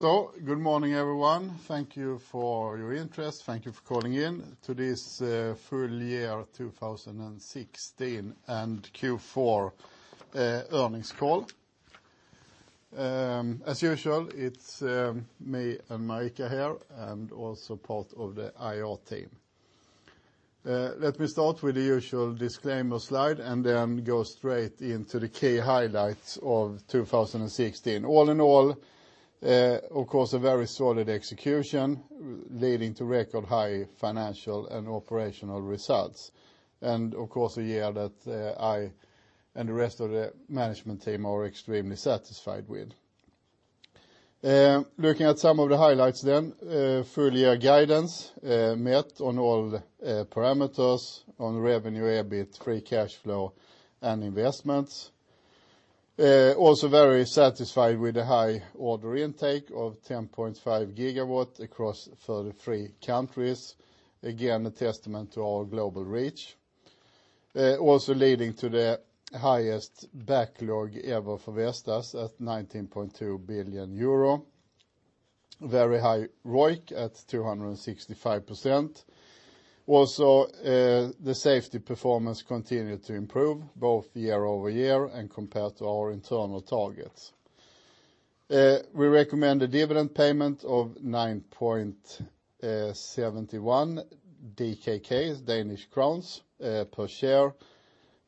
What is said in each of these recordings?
Good morning, everyone. Thank you for your interest. Thank you for calling in to this full year 2016 and Q4 earnings call. As usual, it is me and Marika here, and also part of the IR team. Let me start with the usual disclaimer slide and then go straight into the key highlights of 2016. All in all, of course, a very solid execution leading to record high financial and operational results. And of course, a year that I and the rest of the management team are extremely satisfied with. Looking at some of the highlights then, full year guidance, met on all parameters on revenue, EBIT, free cash flow and investments. Also very satisfied with the high order intake of 10.5 GW across 33 countries. Again, a testament to our global reach. Also leading to the highest backlog ever for Vestas at 19.2 billion euro. Very high ROIC at 265%. Also, the safety performance continued to improve both year-over-year and compared to our internal targets. We recommend a dividend payment of 9.71 DKK per share,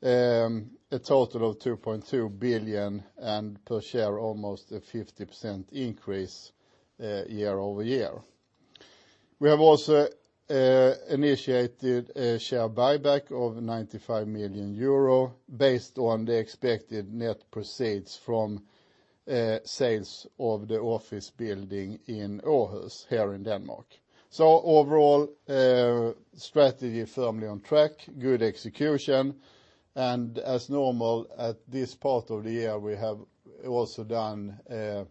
a total of 2.2 billion and per share, almost a 50% increase year-over-year. We have also initiated a share buyback of 95 million euro based on the expected net proceeds from sales of the office building in Aarhus, here in Denmark. Overall, strategy firmly on track, good execution. As normal at this part of the year, we have also done a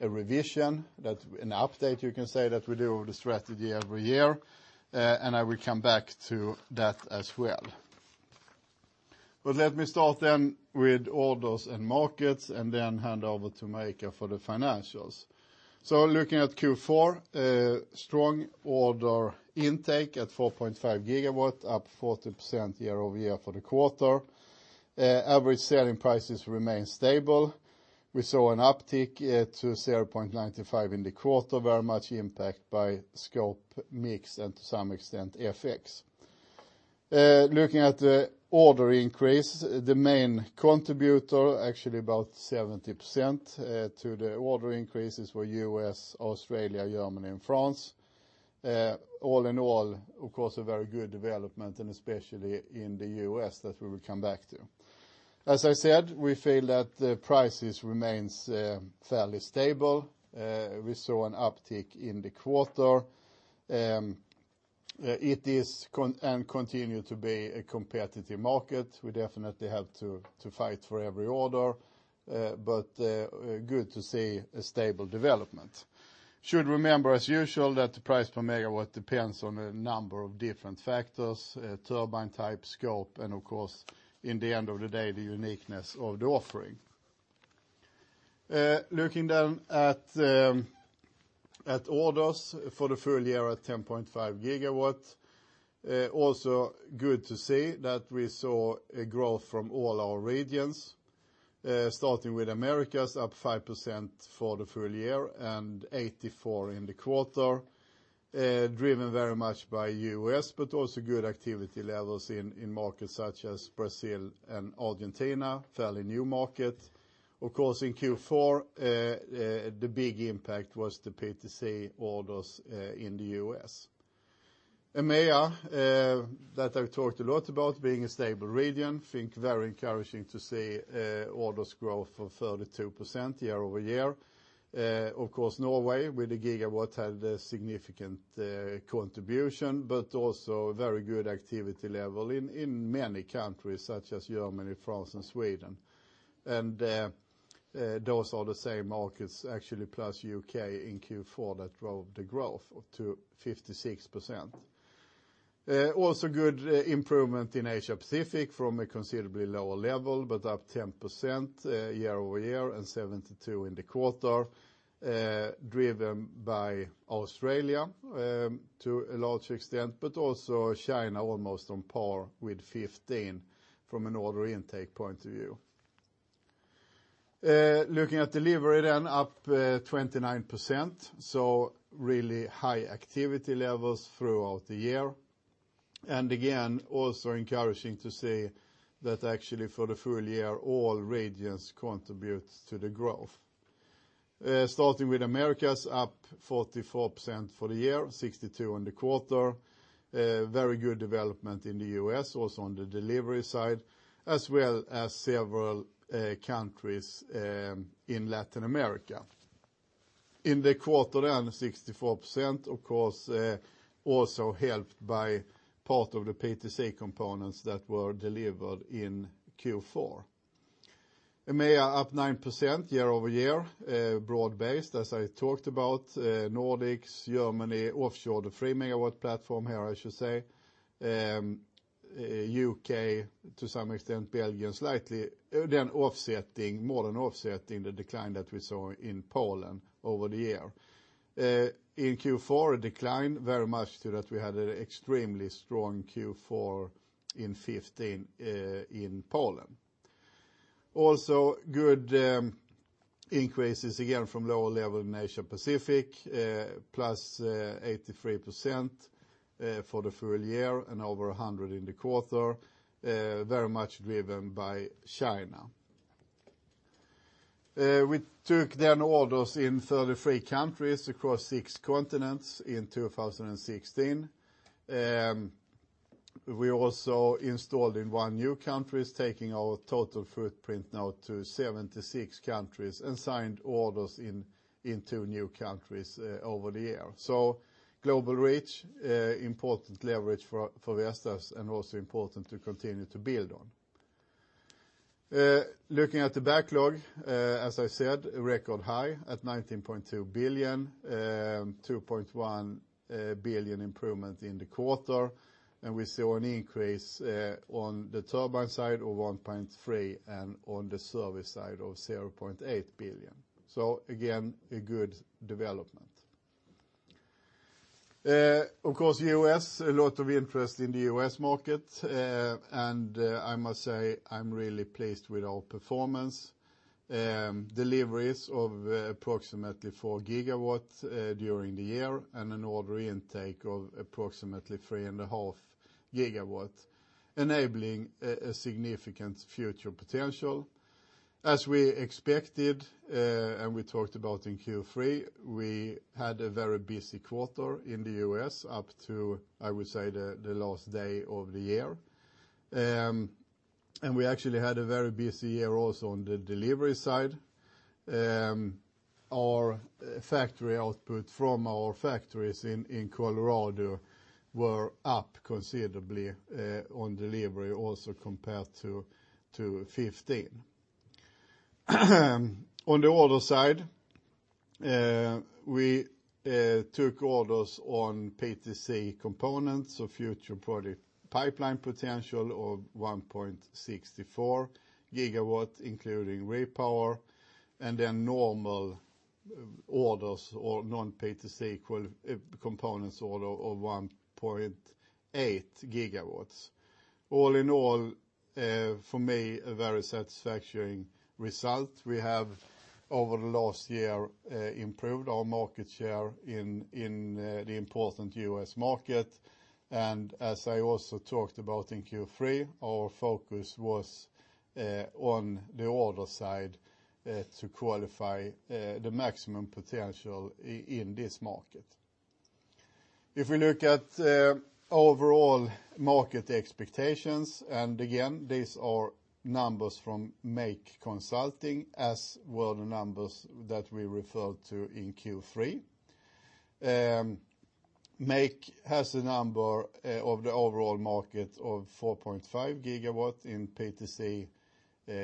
revision, an update you can say, that we do of the strategy every year. And I will come back to that as well. Let me start then with orders and markets and then hand over to Marika for the financials. Looking at Q4, strong order intake at 4.5 GW, up 40% year-over-year for the quarter. Average selling prices remain stable. We saw an uptick to 0.95 in the quarter, very much impacted by scope, mix and to some extent FX. Looking at the order increase, the main contributor, actually about 70% to the order increases were U.S., Australia, Germany and France. All in all, of course, a very good development and especially in the U.S. that we will come back to. As I said, we feel that the prices remains fairly stable. We saw an uptick in the quarter. It is and continue to be a competitive market. We definitely have to fight for every order. But good to see a stable development. Should remember as usual that the price per megawatt depends on a number of different factors, turbine type, scope and of course, in the end of the day, the uniqueness of the offering. Looking then at orders for the full year at 10.5 GW. Also good to see that we saw a growth from all our regions, starting with Americas, up 5% for the full year and 84 in the quarter, driven very much by U.S., but also good activity levels in markets such as Brazil and Argentina, fairly new markets. Of course, in Q4, the big impact was the PTC orders in the U.S. EMEA, that I have talked a lot about, being a stable region, think very encouraging to see orders growth of 32% year-over-year. Of course, Norway with 1 GW had a significant contribution. Also a very good activity level in many countries such as Germany, France and Sweden. Those are the same markets actually plus U.K. in Q4 that drove the growth to 56%. Also good improvement in Asia Pacific from a considerably lower level, but up 10% year-over-year and 72% in the quarter, driven by Australia to a large extent, but also China almost on par with 15% from an order intake point of view. Looking at delivery, up 29%, so really high activity levels throughout the year. Again, also encouraging to see that actually for the full year, all regions contribute to the growth. Starting with Americas, up 44% for the year, 62% in the quarter. Very good development in the U.S. also on the delivery side, as well as several countries in Latin America. In the quarter, 64%, of course, also helped by part of the PTC components that were delivered in Q4. EMEA up 9% year-over-year, broad-based as I talked about, Nordics, Germany, offshore, the 3 MW platform here, I should say. U.K., to some extent, Belgium slightly, more than offsetting the decline that we saw in Poland over the year. In Q4, a decline very much due that we had an extremely strong Q4 in 2015 in Poland. Good increases, again, from lower level in Asia Pacific, plus 83% for the full year and over 100% in the quarter, very much driven by China. We took orders in 33 countries across six continents in 2016. We also installed in one new country, taking our total footprint now to 76 countries, and signed orders in two new countries over the year. Global reach, important leverage for Vestas and also important to continue to build on. Looking at the backlog, as I said, a record high at 19.2 billion, 2.1 billion improvement in the quarter. We saw an increase on the turbine side of 1.3 billion and on the service side of 0.8 billion. Again, a good development. Of course, U.S., a lot of interest in the U.S. market. I must say I'm really pleased with our performance. Deliveries of approximately 4 GW during the year and an order intake of approximately 3.5 GW, enabling a significant future potential. As we expected, and we talked about in Q3, we had a very busy quarter in the U.S. up to, I would say, the last day of the year. We actually had a very busy year also on the delivery side. Our factory output from our factories in Colorado were up considerably on delivery also compared to 2015. On the order side, we took orders on PTC components, so future product pipeline potential of 1.64 GW, including repower, and normal orders or non-PTC components order of 1.8 GW. All in all, for me, a very satisfactory result. We have, over the last year, improved our market share in the important U.S. market. As I also talked about in Q3, our focus was on the order side to qualify the maximum potential in this market. If we look at overall market expectations, and again, these are numbers from MAKE Consulting, as were the numbers that we referred to in Q3. MAKE has a number of the overall market of 4.5 GW in PTC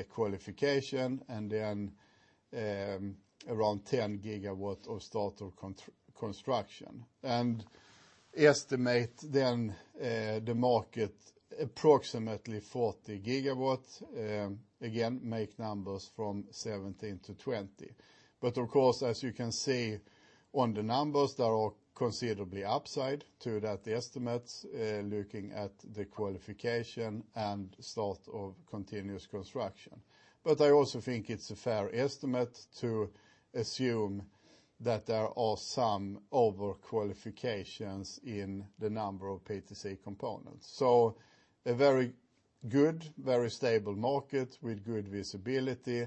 qualification and then around 10 GW of start of construction, and estimate the market approximately 40 GW, again, MAKE numbers from 2017 to 2020. Of course, as you can see on the numbers, there are considerably upside to that estimate, looking at the qualification and start of commenced construction. I also think it's a fair estimate to assume that there are some over qualifications in the number of PTC components. A very good, very stable market with good visibility.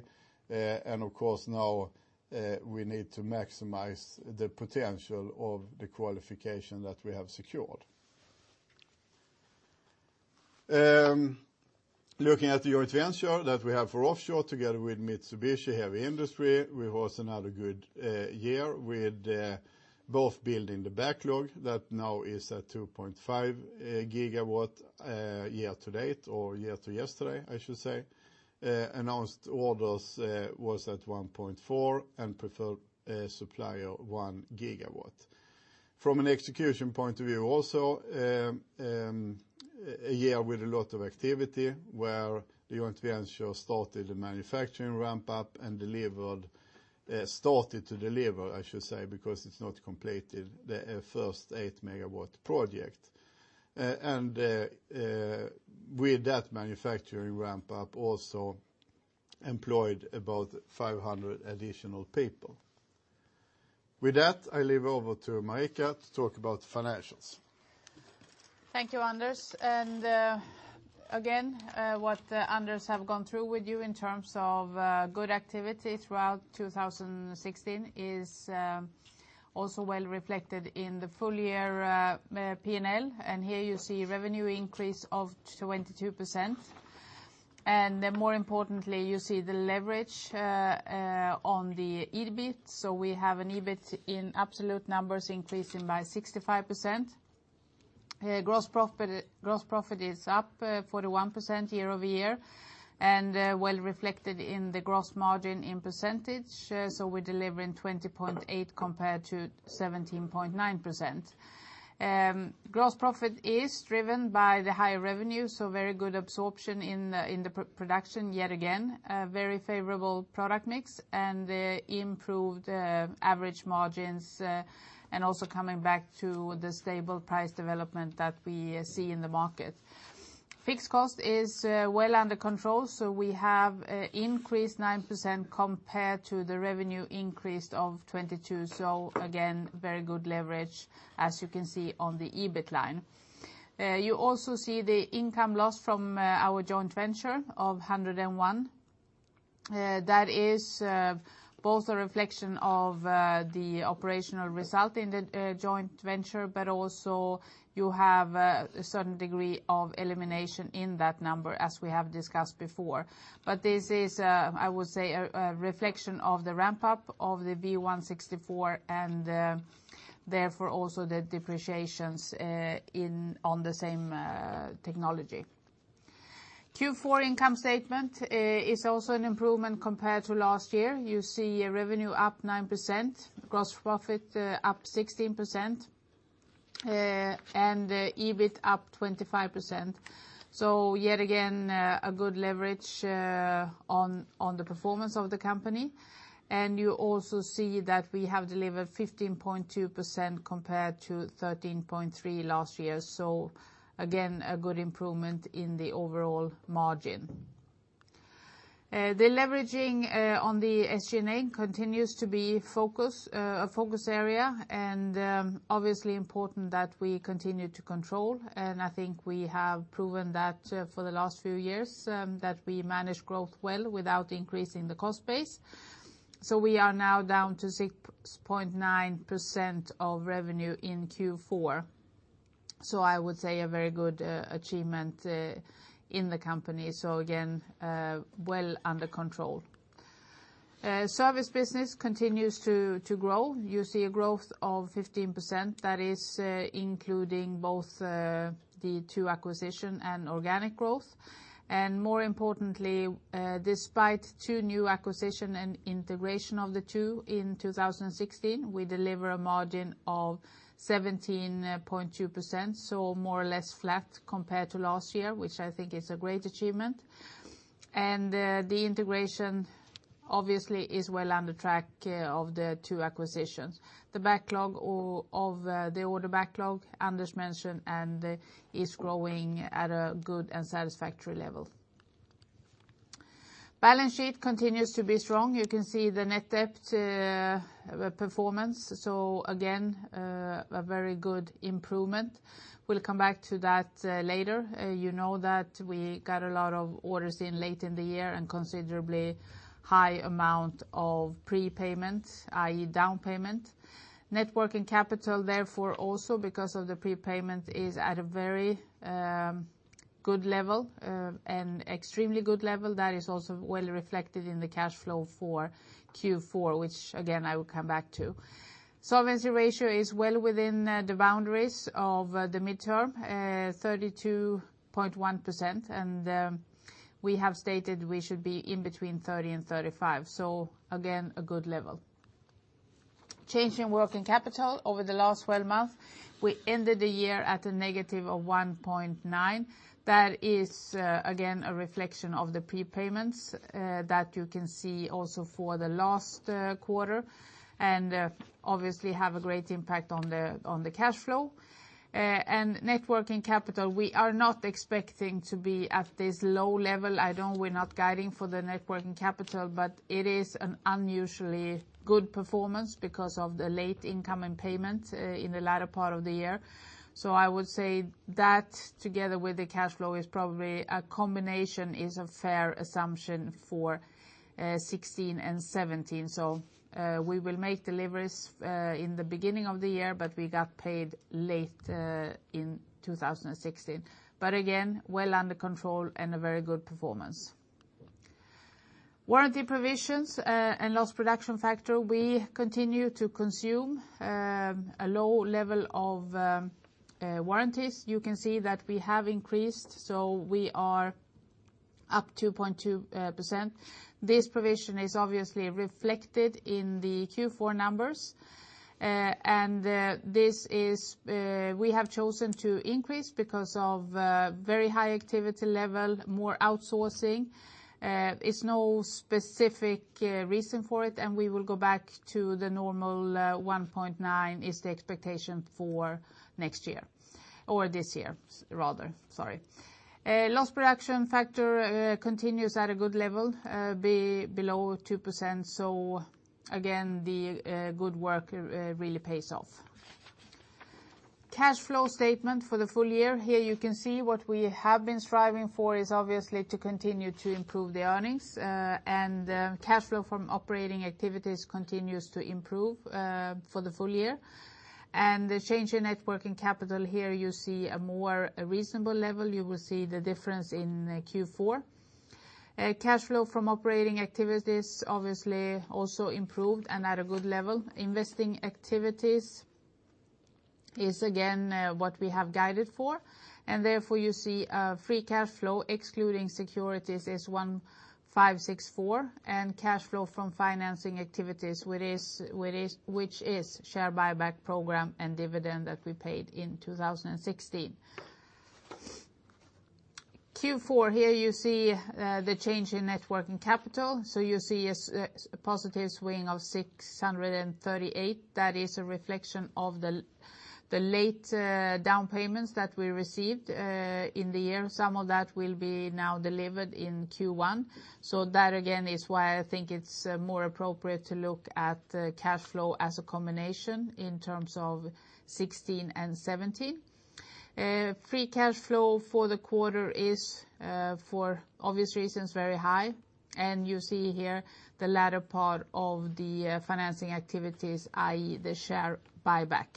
Of course, now we need to maximize the potential of the qualification that we have secured. Looking at the joint venture that we have for offshore together with Mitsubishi Heavy Industries, we've also had a good year with both building the backlog that now is at 2.5 GW year to date, or year to yesterday, I should say. Announced orders was at 1.4 GW and preferred supplier 1 GW. From an execution point of view also, a year with a lot of activity where the joint venture started the manufacturing ramp-up and started to deliver, I should say, because it's not completed, the first 8 MW project. With that manufacturing ramp-up, also employed about 500 additional people. With that, I leave over to Marika to talk about financials. Thank you, Anders. Again, what Anders have gone through with you in terms of good activity throughout 2016 is also well reflected in the full-year P&L. Here you see revenue increase of 22%. More importantly, you see the leverage on the EBIT. We have an EBIT in absolute numbers increasing by 65%. Gross profit is up 41% year-over-year and well reflected in the gross margin in percentage. We're delivering 20.8% compared to 17.9%. Gross profit is driven by the higher revenue, very good absorption in the production yet again. A very favorable product mix and the improved average margins, also coming back to the stable price development that we see in the market. Fixed cost is well under control, we have increased 9% compared to the revenue increase of 22%. Again, very good leverage, as you can see on the EBIT line. You also see the income loss from our joint venture of 101. That is both a reflection of the operational result in the joint venture, also you have a certain degree of elimination in that number, as we have discussed before. This is, I would say, a reflection of the ramp-up of the V164 and therefore also the depreciations on the same technology. Q4 income statement is also an improvement compared to last year. You see revenue up 9%, gross profit up 16%, and EBIT up 25%. Yet again, a good leverage on the performance of the company. You also see that we have delivered 15.2% compared to 13.3% last year. Again, a good improvement in the overall margin. The leveraging on the SG&A continues to be a focus area, obviously important that we continue to control. I think we have proven that for the last few years, that we manage growth well without increasing the cost base. We are now down to 6.9% of revenue in Q4. I would say a very good achievement in the company. Again, well under control. Service business continues to grow. You see a growth of 15%. That is including both the two acquisitions and organic growth. More importantly, despite two new acquisitions and integration of the two in 2016, we deliver a margin of 17.2%, so more or less flat compared to last year, which I think is a great achievement. The integration obviously is well on track of the two acquisitions. The backlog of the order backlog, Anders mentioned, is growing at a good and satisfactory level. Balance sheet continues to be strong. You can see the net debt performance. Again, a very good improvement. We'll come back to that later. You know that we got a lot of orders in late in the year and considerably high amount of prepayment, i.e. down payment. Net working capital, therefore also because of the prepayment, is at a very good level, an extremely good level that is also well reflected in the cash flow for Q4, which again, I will come back to. Solvency ratio is well within the boundaries of the midterm, 32.1%, and we have stated we should be in between 30% and 35%. Again, a good level. Change in working capital over the last 12 months, we ended the year at a negative of 1.9%. That is again, a reflection of the prepayments that you can see also for the last quarter and obviously have a great impact on the cash flow. Net working capital, we are not expecting to be at this low level. I know we're not guiding for the net working capital, but it is an unusually good performance because of the late incoming payment in the latter part of the year. I would say that together with the cash flow is probably a combination, is a fair assumption for 2016 and 2017. We will make deliveries in the beginning of the year, but we got paid late in 2016. Again, well under control and a very good performance. Warranty provisions and loss production factor, we continue to consume a low level of warranties. You can see that we have increased, so we are up 2.2%. This provision is obviously reflected in the Q4 numbers. We have chosen to increase because of very high activity level, more outsourcing. It's no specific reason for it, and we will go back to the normal 1.9% is the expectation for next year, or this year rather, sorry. Loss production factor continues at a good level, below 2%. Again, the good work really pays off. Cash flow statement for the full year. Here you can see what we have been striving for is obviously to continue to improve the earnings. Cash flow from operating activities continues to improve for the full year. The change in net working capital here you see a more reasonable level. You will see the difference in Q4. Cash flow from operating activities obviously also improved and at a good level. Investing activities is again what we have guided for. Therefore you see free cash flow excluding securities is 1,564, and cash flow from financing activities which is share buyback program and dividend that we paid in 2016. Q4, here you see the change in net working capital. You see a positive swing of 638. That is a reflection of the late down payments that we received in the year. Some of that will be now delivered in Q1. That, again, is why I think it's more appropriate to look at the cash flow as a combination in terms of 2016 and 2017. Free cash flow for the quarter is, for obvious reasons, very high. You see here the latter part of the financing activities, i.e. the share buyback.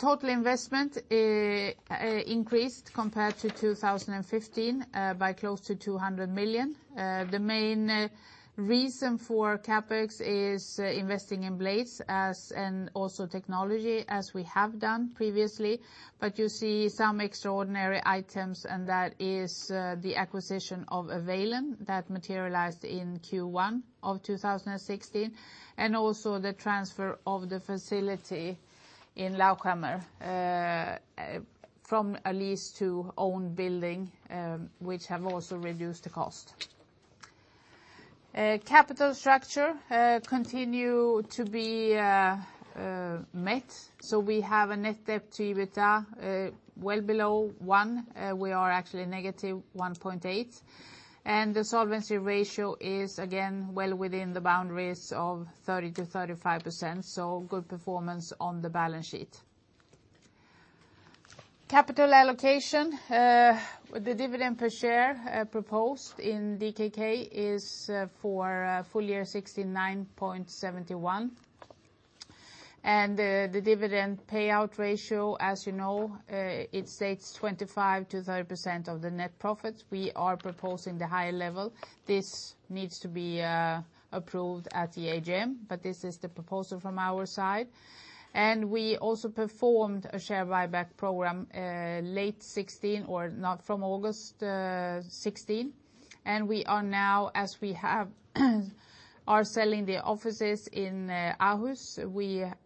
Total investment increased compared to 2015 by close to 200 million. The main reason for CapEx is investing in blades and also technology as we have done previously. You see some extraordinary items, and that is the acquisition of Availon that materialized in Q1 of 2016, and also the transfer of the facility in Lauchhammer from a lease to owned building, which have also reduced the cost. Capital structure continue to be met. We have a net debt to EBITDA well below one. We are actually -1.8. The solvency ratio is again well within the boundaries of 30%-35%. Good performance on the balance sheet. Capital allocation. The dividend per share proposed in DKK is, for full year, 69.71. The dividend payout ratio, as you know, it states 25%-30% of the net profits. We are proposing the higher level. This needs to be approved at the AGM. This is the proposal from our side. We also performed a share buyback program late 2016, or not, from August 2016. We are now, as we have, are selling the offices in Aarhus. We are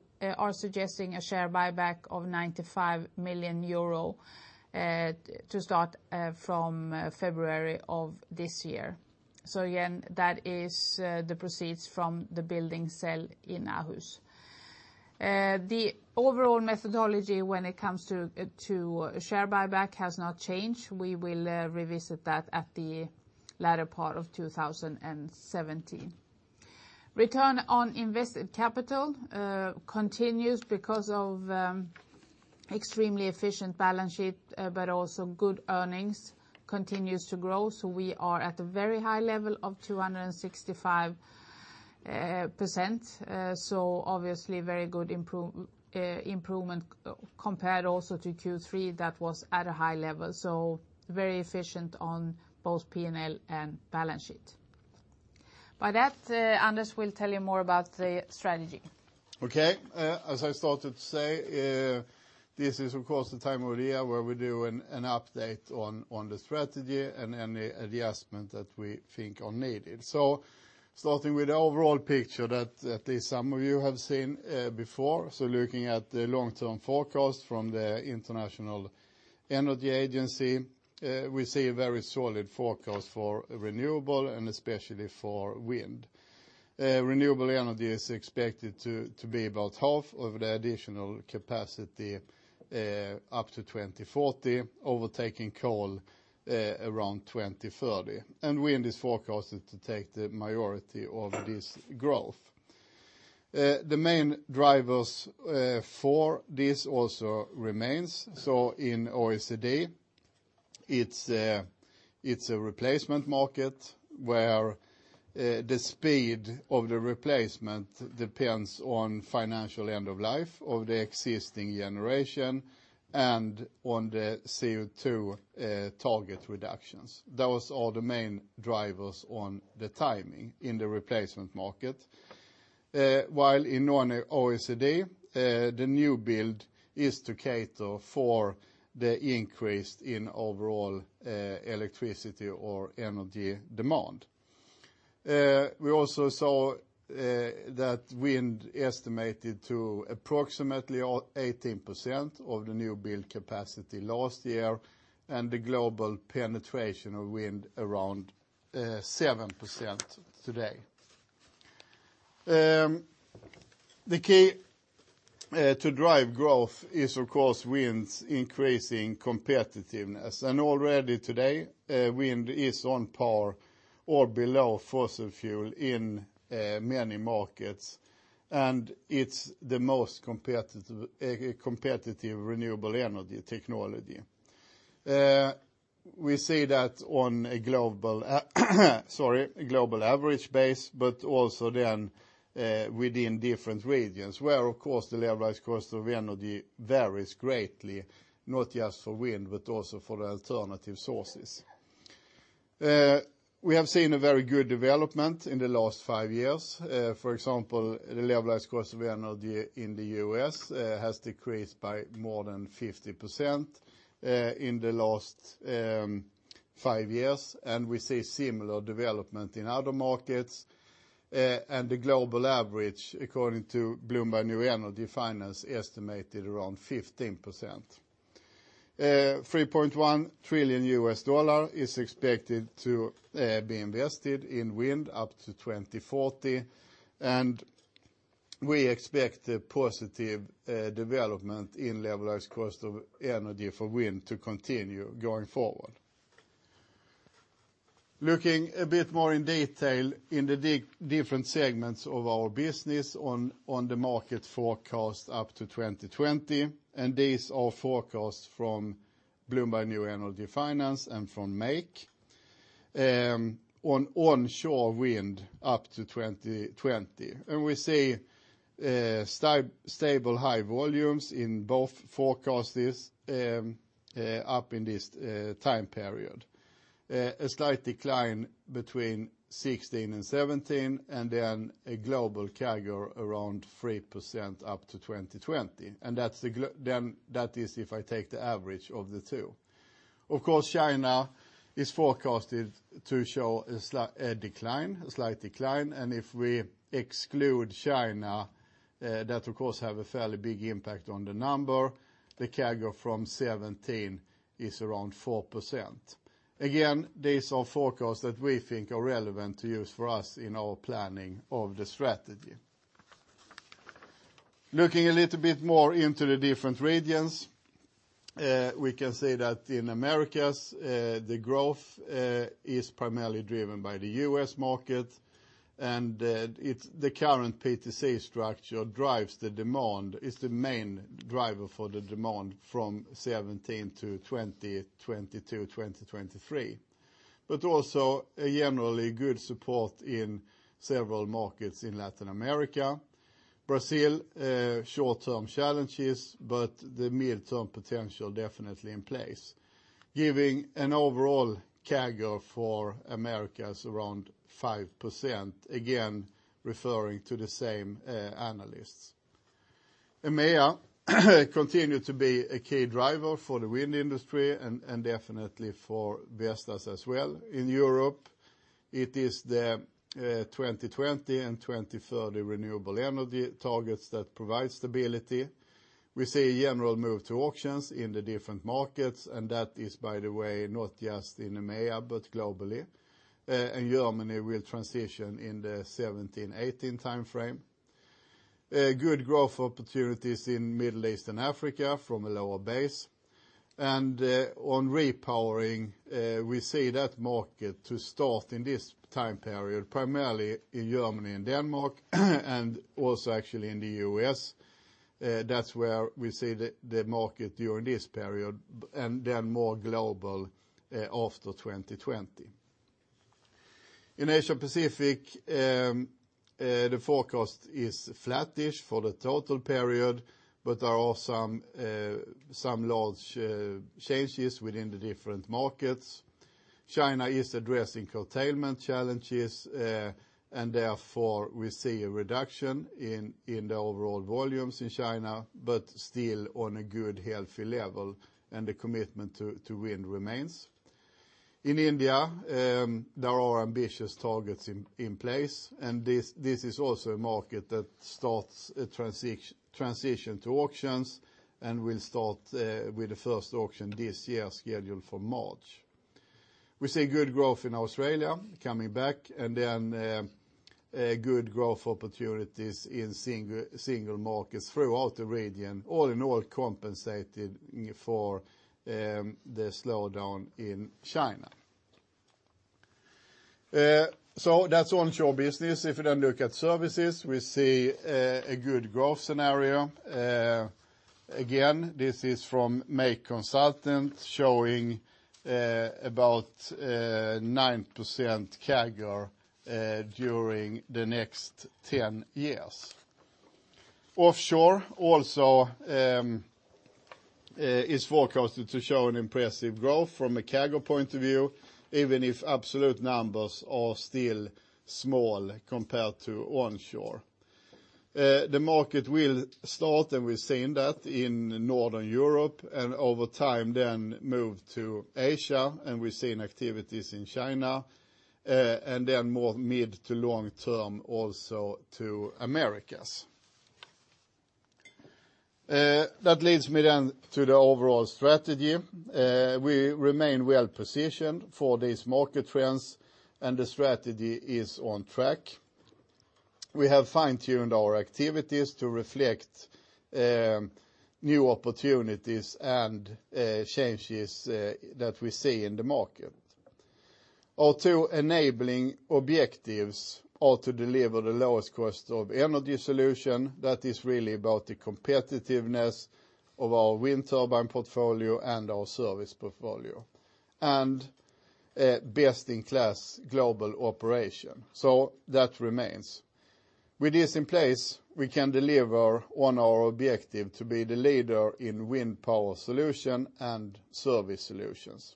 suggesting a share buyback of 95 million euro to start from February of this year. Again, that is the proceeds from the building sale in Aarhus. The overall methodology when it comes to share buyback has not changed. We will revisit that at the latter part of 2017. Return on invested capital continues because of extremely efficient balance sheet, but also good earnings continues to grow. We are at a very high level of 265%. Obviously, very good improvement compared also to Q3 that was at a high level. Very efficient on both P&L and balance sheet. By that, Anders will tell you more about the strategy. Okay. As I started to say, this is of course the time of the year where we do an update on the strategy and any adjustment that we think are needed. Starting with the overall picture that at least some of you have seen before. Looking at the long-term forecast from the International Energy Agency, we see a very solid forecast for renewable and especially for wind. Renewable energy is expected to be about half of the additional capacity up to 2040, overtaking coal around 2030. Wind is forecasted to take the majority of this growth. The main drivers for this also remains. In OECD, it's a replacement market where the speed of the replacement depends on financial end of life of the existing generation and on the CO2 target reductions. Those are the main drivers on the timing in the replacement market. While in non-OECD, the new build is to cater for the increase in overall electricity or energy demand. We also saw that wind estimated to approximately 18% of the new build capacity last year, the global penetration of wind around 7% today. The key to drive growth is of course wind's increasing competitiveness. Already today, wind is on par or below fossil fuel in many markets, and it's the most competitive renewable energy technology. We see that on a global global average base, but also within different regions, where, of course, the levelized cost of energy varies greatly, not just for wind, but also for the alternative sources. We have seen a very good development in the last 5 years. For example, the levelized cost of energy in the U.S. has decreased by more than 50% in the last 5 years, we see similar development in other markets. The global average, according to Bloomberg New Energy Finance, estimated around 15%. $3.1 trillion is expected to be invested in wind up to 2040, and we expect a positive development in levelized cost of energy for wind to continue going forward. Looking a bit more in detail in the different segments of our business on the market forecast up to 2020, these are forecasts from Bloomberg New Energy Finance and from MAKE. On onshore wind up to 2020. We see stable high volumes in both forecasts up in this time period. A slight decline between 2016 and 2017, then a global CAGR around 3% up to 2020. That is if I take the average of the two. Of course, China is forecasted to show a decline, a slight decline. If we exclude China, that of course, have a fairly big impact on the number, the CAGR from 2017 is around 4%. Again, these are forecasts that we think are relevant to use for us in our planning of the strategy. Looking a little bit more into the different regions, we can say that in Americas, the growth is primarily driven by the U.S. market, the current PTC structure drives the demand, is the main driver for the demand from 2017 to 2022, 2023. Also, a generally good support in several markets in Latin America. Brazil, short-term challenges, but the mid-term potential definitely in place, giving an overall CAGR for Americas around 5%, again, referring to the same analysts. EMEA continue to be a key driver for the wind industry and definitely for Vestas as well. In Europe, it is the 2020 and 2030 renewable energy targets that provide stability. We see a general move to auctions in the different markets, that is, by the way, not just in EMEA, but globally. Germany will transition in the 2017-2018 timeframe. Good growth opportunities in Middle East and Africa from a lower base. On repowering, we see that market to start in this time period, primarily in Germany and Denmark, and also actually in the U.S. That's where we see the market during this period, then more global, after 2020. In Asia Pacific, the forecast is flattish for the total period, but there are some large changes within the different markets. China is addressing curtailment challenges. Therefore, we see a reduction in the overall volumes in China, still on a good, healthy level. The commitment to wind remains. In India, there are ambitious targets in place. This is also a market that starts a transition to auctions and will start with the first auction this year, scheduled for March. We see good growth in Australia coming back. Then good growth opportunities in single markets throughout the region, all in all compensated for the slowdown in China. That's onshore business. If you then look at services, we see a good growth scenario. Again, this is from MAKE Consulting, showing about 9% CAGR during the next 10 years. Offshore also is forecasted to show an impressive growth from a CAGR point of view, even if absolute numbers are still small compared to onshore. The market will start. We're seeing that in Northern Europe. Over time then move to Asia. We're seeing activities in China. Then more mid to long-term also to Americas. That leads me then to the overall strategy. We remain well-positioned for these market trends. The strategy is on track. We have fine-tuned our activities to reflect new opportunities and changes that we see in the market. Our two enabling objectives are to deliver the lowest cost of energy solution. That is really about the competitiveness of our wind turbine portfolio and our service portfolio. Best-in-class global operation. That remains. With this in place, we can deliver on our objective to be the leader in wind power solution and service solutions.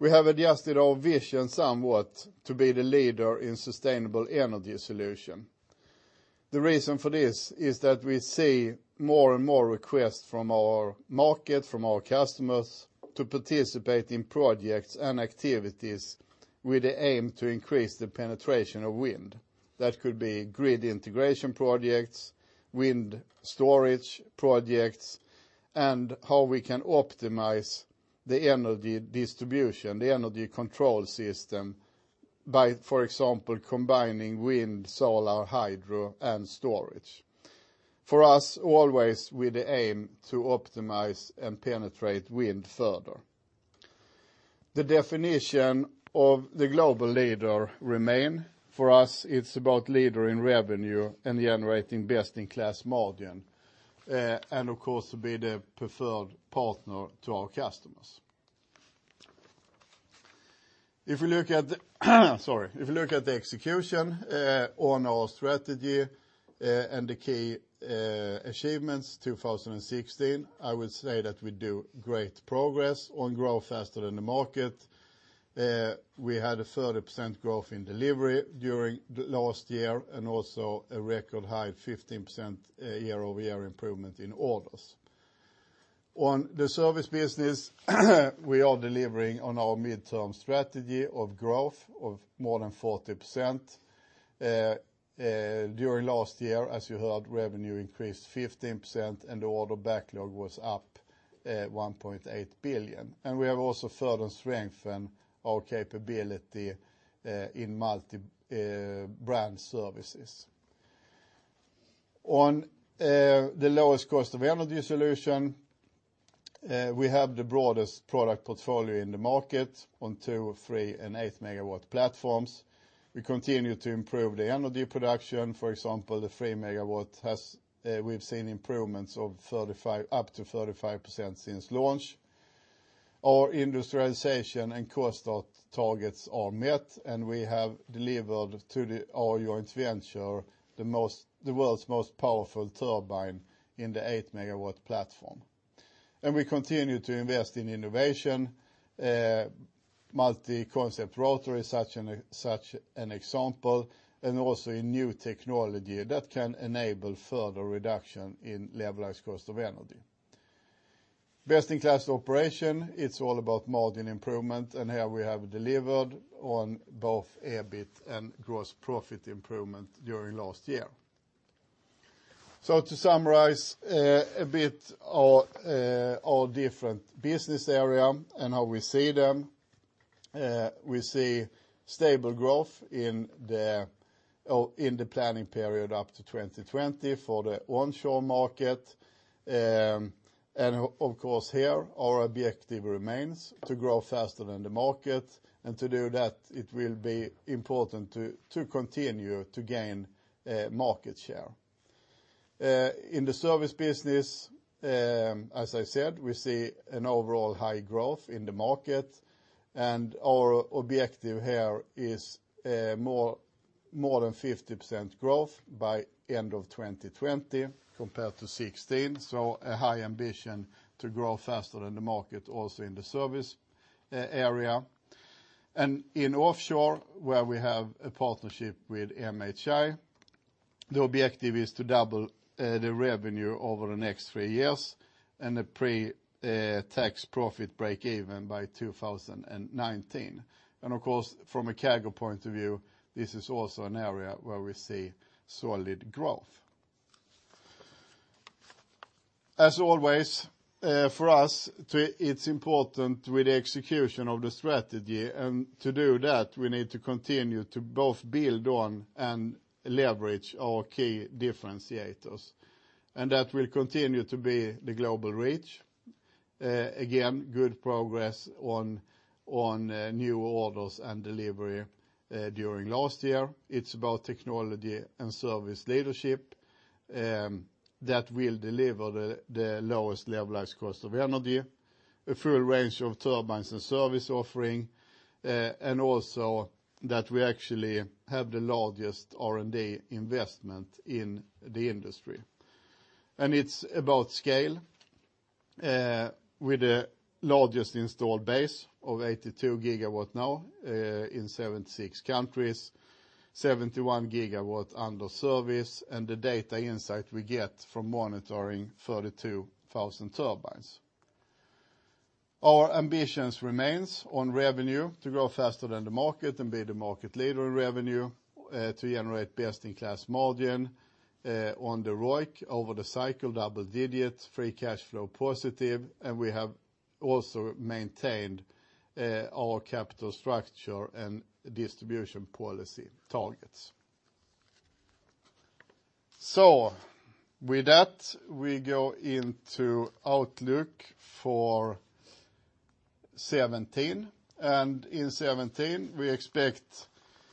We have adjusted our vision somewhat to be the leader in sustainable energy solution. The reason for this is that we see more and more requests from our market, from our customers, to participate in projects and activities with the aim to increase the penetration of wind. That could be grid integration projects, wind storage projects, and how we can optimize the energy distribution, the energy control system by, for example, combining wind, solar, hydro, and storage. For us, always with the aim to optimize and penetrate wind further. The definition of the global leader remain. For us, it's about leader in revenue and generating best-in-class margin. Of course, to be the preferred partner to our customers. If you look at the execution on our strategy, and the key achievements 2016, I would say that we do great progress on grow faster than the market. We had a 30% growth in delivery during last year. Also a record high 15% year-over-year improvement in orders. On the service business, we are delivering on our midterm strategy of growth of more than 40%. During last year, as you heard, revenue increased 15%. The order backlog was up 1.8 billion. We have also further strengthened our capability in multi-brand services. On the lowest cost of energy solution, we have the broadest product portfolio in the market on two, three, and eight megawatt platforms. We continue to improve the energy production. For example, the three megawatt, we've seen improvements of up to 35% since launch. Our industrialization and cost targets are met, and we have delivered to our joint venture the world's most powerful turbine in the eight megawatt platform. We continue to invest in innovation, multi-concept rotor, such an example, and also in new technology that can enable further reduction in levelized cost of energy. Best-in-class operation, it's all about margin improvement, and here we have delivered on both EBIT and gross profit improvement during last year. To summarize a bit our different business area and how we see them, we see stable growth in the planning period up to 2020 for the onshore market. Of course here, our objective remains to grow faster than the market. To do that, it will be important to continue to gain market share. In the service business, as I said, we see an overall high growth in the market, and our objective here is more than 50% growth by end of 2020 compared to 2016. A high ambition to grow faster than the market, also in the service area. In offshore, where we have a partnership with MHI, the objective is to double the revenue over the next three years and the pre-tax profit breakeven by 2019. Of course, from a CAGR point of view, this is also an area where we see solid growth. As always, for us, it's important with the execution of the strategy. To do that, we need to continue to both build on and leverage our key differentiators. That will continue to be the global reach. Again, good progress on new orders and delivery during last year. It's about technology and service leadership that will deliver the lowest levelized cost of energy, a full range of turbines and service offering, and also that we actually have the largest R&D investment in the industry. It's about scale, with the largest installed base of 82 GW now in 76 countries, 71 GW under service, and the data insight we get from monitoring 32,000 turbines. Our ambitions remains on revenue to grow faster than the market and be the market leader in revenue, to generate best-in-class margin on the ROIC over the cycle double digits, free cash flow positive, and we have also maintained our capital structure and distribution policy targets. With that, we go into outlook for 2017. In 2017, we expect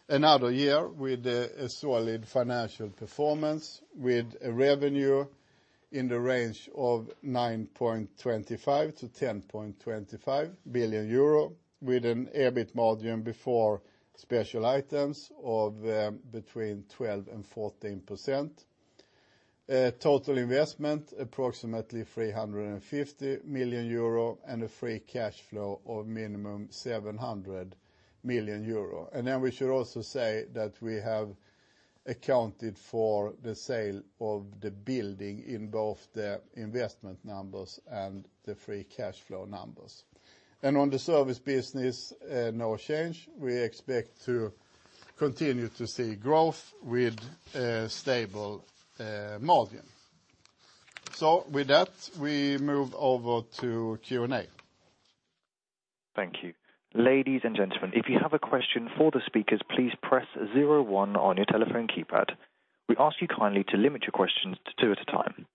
another year with a solid financial performance, with a revenue in the range of 9.25 billion-10.25 billion euro, with an EBIT margin before special items of between 12%-14%. Total investment, approximately 350 million euro and a free cash flow of minimum 700 million euro. We should also say that we have accounted for the sale of the building in both the investment numbers and the free cash flow numbers. On the service business, no change. We expect to continue to see growth with a stable margin. With that, we move over to Q&A. Thank you. Ladies and gentlemen, if you have a question for the speakers, please press 01 on your telephone keypad. We ask you kindly to limit your questions to two at a time.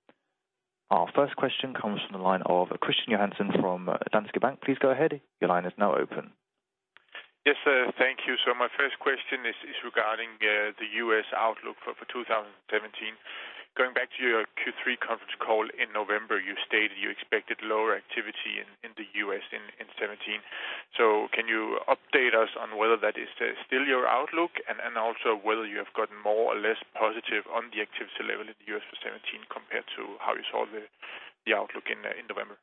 Our first question comes from the line of Kristian Johansen from Danske Bank. Please go ahead. Your line is now open. Yes, sir. Thank you. My first question is regarding the U.S. outlook for 2017. Going back to your Q3 conference call in November, you stated you expected lower activity in the U.S. in 2017. Can you update us on whether that is still your outlook and also whether you have gotten more or less positive on the activity level in the U.S. for 2017 compared to how you saw the outlook in November?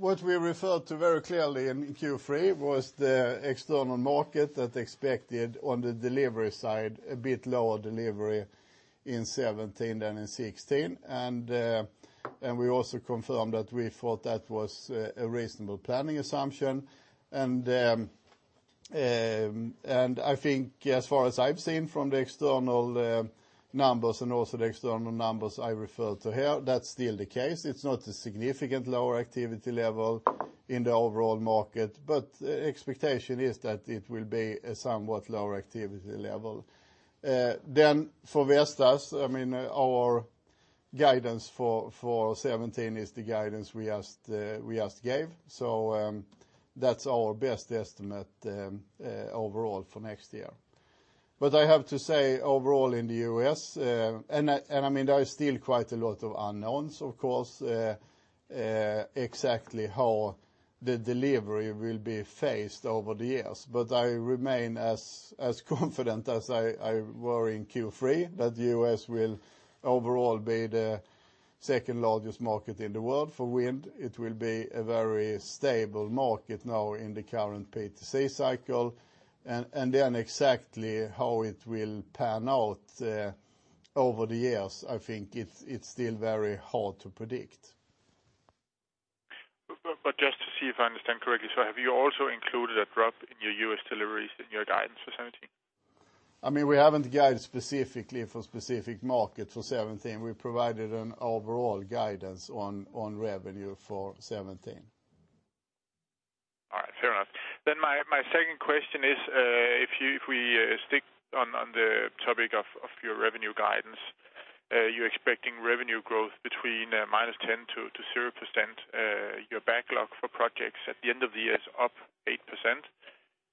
What we referred to very clearly in Q3 was the external market that expected, on the delivery side, a bit lower delivery in 2017 than in 2016. We also confirmed that we thought that was a reasonable planning assumption. I think as far as I've seen from the external numbers and also the external numbers I referred to here, that's still the case. It's not a significantly lower activity level in the overall market, but the expectation is that it will be a somewhat lower activity level. For Vestas, our guidance for 2017 is the guidance we just gave. That's our best estimate overall for next year. I have to say overall in the U.S., there are still quite a lot of unknowns, of course, exactly how the delivery will be phased over the years. I remain as confident as I were in Q3 that the U.S. will overall be the second-largest market in the world for wind. It will be a very stable market now in the current PTC cycle. Exactly how it will pan out over the years, I think it's still very hard to predict. just to see if I understand correctly, have you also included a drop in your U.S. deliveries in your guidance for 2017? We haven't guided specifically for specific markets for 2017. We provided an overall guidance on revenue for 2017. All right. Fair enough. My second question is, if we stick on the topic of your revenue guidance, you're expecting revenue growth between -10% to 0%. Your backlog for projects at the end of the year is up 8%.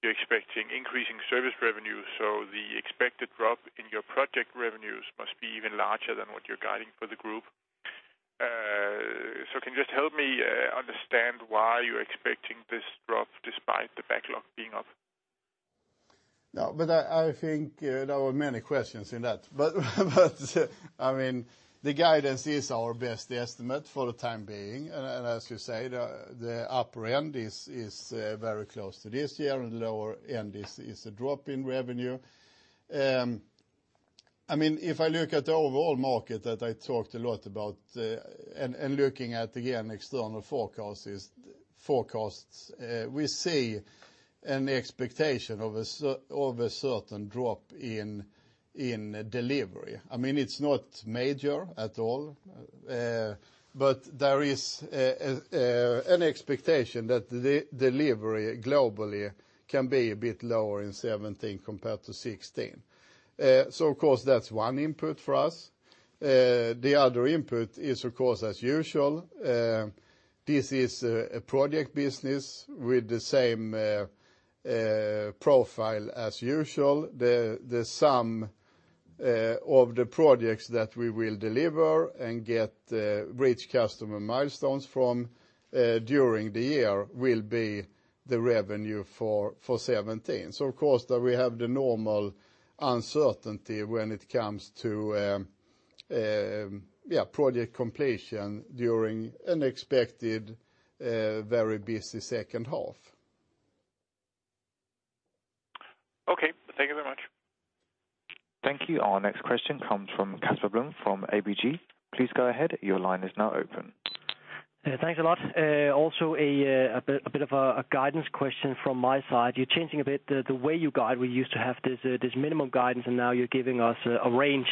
You're expecting increasing service revenue, the expected drop in your project revenues must be even larger than what you're guiding for the group. Can you just help me understand why you're expecting this drop despite the backlog being up? There were many questions in that. The guidance is our best estimate for the time being. As you say, the upper end is very close to this year, lower end is a drop in revenue. If I look at the overall market that I talked a lot about, looking at, again, external forecasts, we see an expectation of a certain drop in delivery. It's not major at all, but there is an expectation that delivery globally can be a bit lower in 2017 compared to 2016. Of course, that's one input for us. The other input is, of course, as usual, this is a project business with the same profile as usual. The sum of the projects that we will deliver and reach customer milestones from during the year will be the revenue for 2017. Of course, we have the normal uncertainty when it comes to project completion during an expected very busy second half. Okay. Thank you very much. Thank you. Our next question comes from Casper Blom from ABG. Please go ahead. Your line is now open. Thanks a lot. A bit of a guidance question from my side. You're changing a bit the way you guide. We used to have this minimum guidance, now you're giving us a range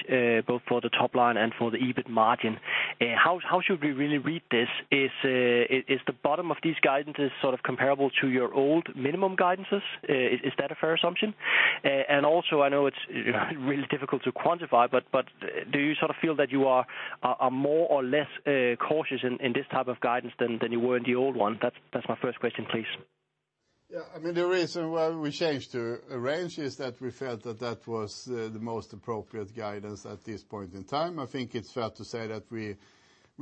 both for the top line and for the EBIT margin. How should we really read this? Is the bottom of these guidances sort of comparable to your old minimum guidances? Is that a fair assumption? Also, I know it's really difficult to quantify, but do you sort of feel that you are more or less cautious in this type of guidance than you were in the old one? That's my first question, please. The reason why we changed to a range is that we felt that that was the most appropriate guidance at this point in time. I think it's fair to say that We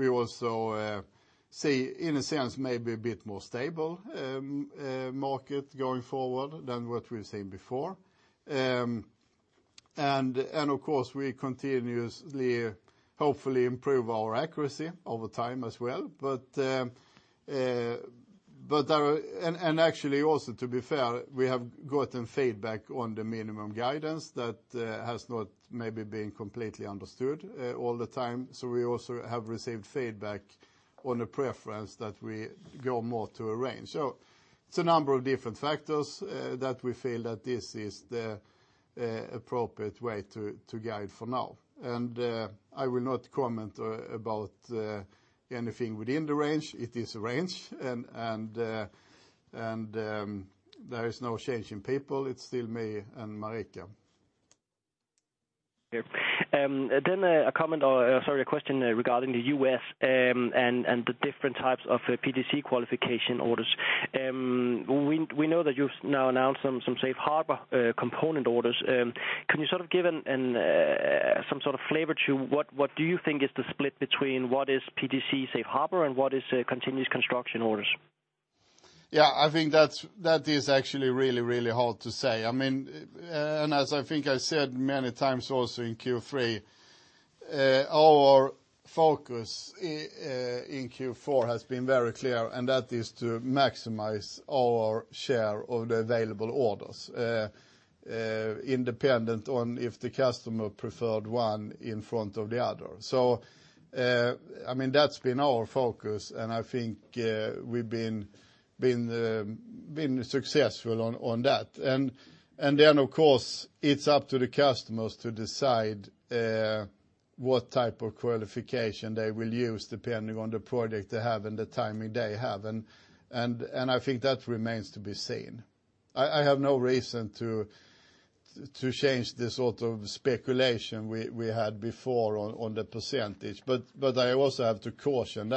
also see, in a sense, maybe a bit more stable market going forward than what we've seen before. Of course, we continuously, hopefully, improve our accuracy over time as well. Actually also, to be fair, we have gotten feedback on the minimum guidance that has not maybe been completely understood all the time. We also have received feedback on a preference that we go more to a range. It's a number of different factors that we feel that this is the appropriate way to guide for now. I will not comment about anything within the range. It is a range, and there is no change in people. It's still me and Marika. Okay. A question regarding the U.S., and the different types of PTC qualification orders. We know that you've now announced some safe harbor component orders. Can you give some sort of flavor to what do you think is the split between what is PTC safe harbor, and what is commenced construction orders? Yeah, I think that is actually really hard to say. As I think I said many times also in Q3, our focus in Q4 has been very clear, and that is to maximize our share of the available orders, independent on if the customer preferred one in front of the other. That's been our focus, and I think we've been successful on that. Then, of course, it's up to the customers to decide what type of qualification they will use depending on the product they have and the timing they have. I think that remains to be seen. I have no reason to change the sort of speculation we had before on the percentage. I also have to caution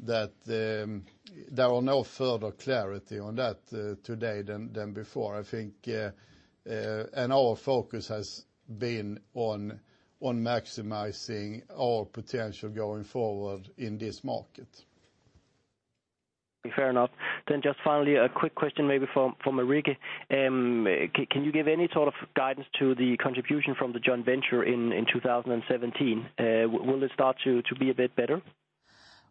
that there are no further clarity on that today than before, I think. Our focus has been on maximizing our potential going forward in this market. Fair enough. Just finally, a quick question maybe for Marika. Can you give any sort of guidance to the contribution from the joint venture in 2017? Will it start to be a bit better?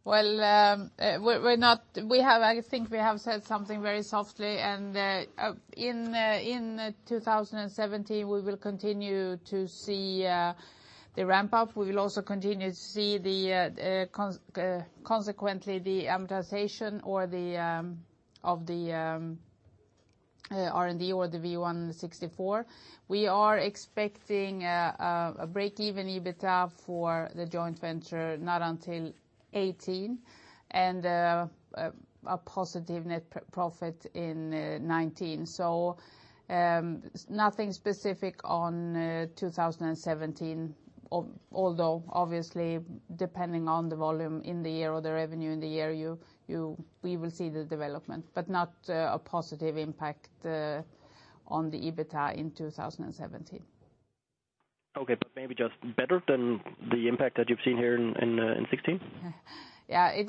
Well, I think we have said something very softly. In 2017, we will continue to see the ramp-up. We will also continue to see, consequently, the amortization of the R&D or the V164. We are expecting a break-even EBITDA for the joint venture, not until 2018, and a positive net profit in 2019. Nothing specific on 2017, although obviously depending on the volume in the year or the revenue in the year, we will see the development, but not a positive impact on the EBITDA in 2017. Okay, maybe just better than the impact that you've seen here in 2016? Yeah. I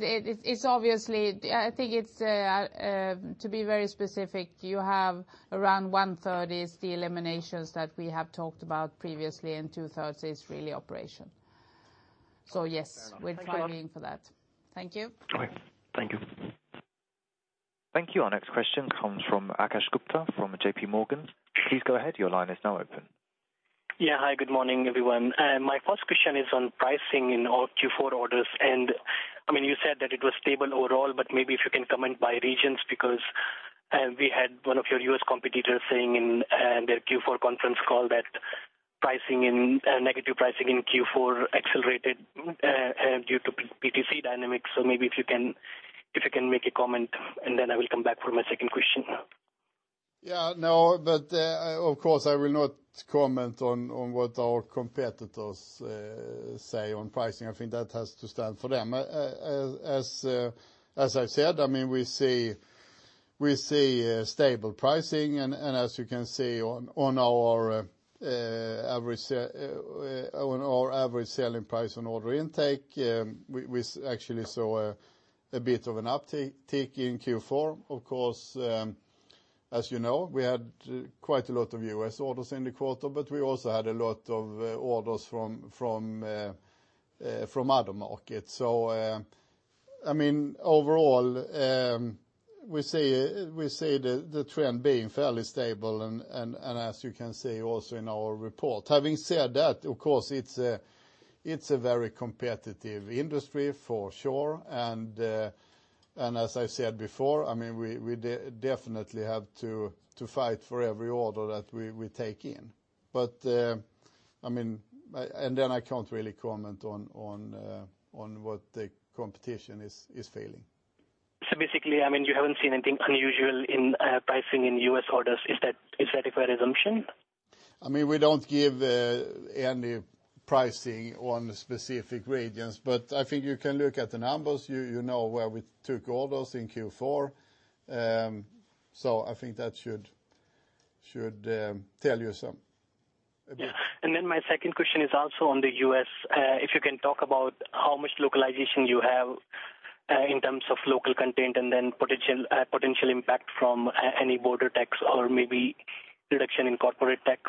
think to be very specific, you have around one-third is the eliminations that we have talked about previously, and two-thirds is really operation. Yes. Fair enough We're going in for that. Thank you. Okay. Thank you. Thank you. Our next question comes from Akash Gupta from JPMorgan. Please go ahead. Your line is now open. Hi, good morning, everyone. My first question is on pricing in Q4 orders. You said that it was stable overall, but maybe if you can comment by regions, because we had one of your U.S. competitors saying in their Q4 conference call that negative pricing in Q4 accelerated due to PTC dynamics. Maybe if you can make a comment, then I will come back for my second question. Of course, I will not comment on what our competitors say on pricing. I think that has to stand for them. As I've said, we see stable pricing. As you can see on our average selling price on order intake, we actually saw a bit of an uptick in Q4. Of course, as you know, we had quite a lot of U.S. orders in the quarter. We also had a lot of orders from other markets. Overall, we see the trend being fairly stable and as you can see also in our report. Having said that, of course, it's a very competitive industry for sure. As I said before, we definitely have to fight for every order that we take in. Then I can't really comment on what the competition is saying. Basically, you haven't seen anything unusual in pricing in U.S. orders. Is that a fair assumption? We don't give any pricing on specific regions. I think you can look at the numbers. You know where we took orders in Q4. I think that should tell you some about. Yeah. Then my second question is also on the U.S. If you can talk about how much localization you have, in terms of local content and then potential impact from any border tax or maybe reduction in corporate tax.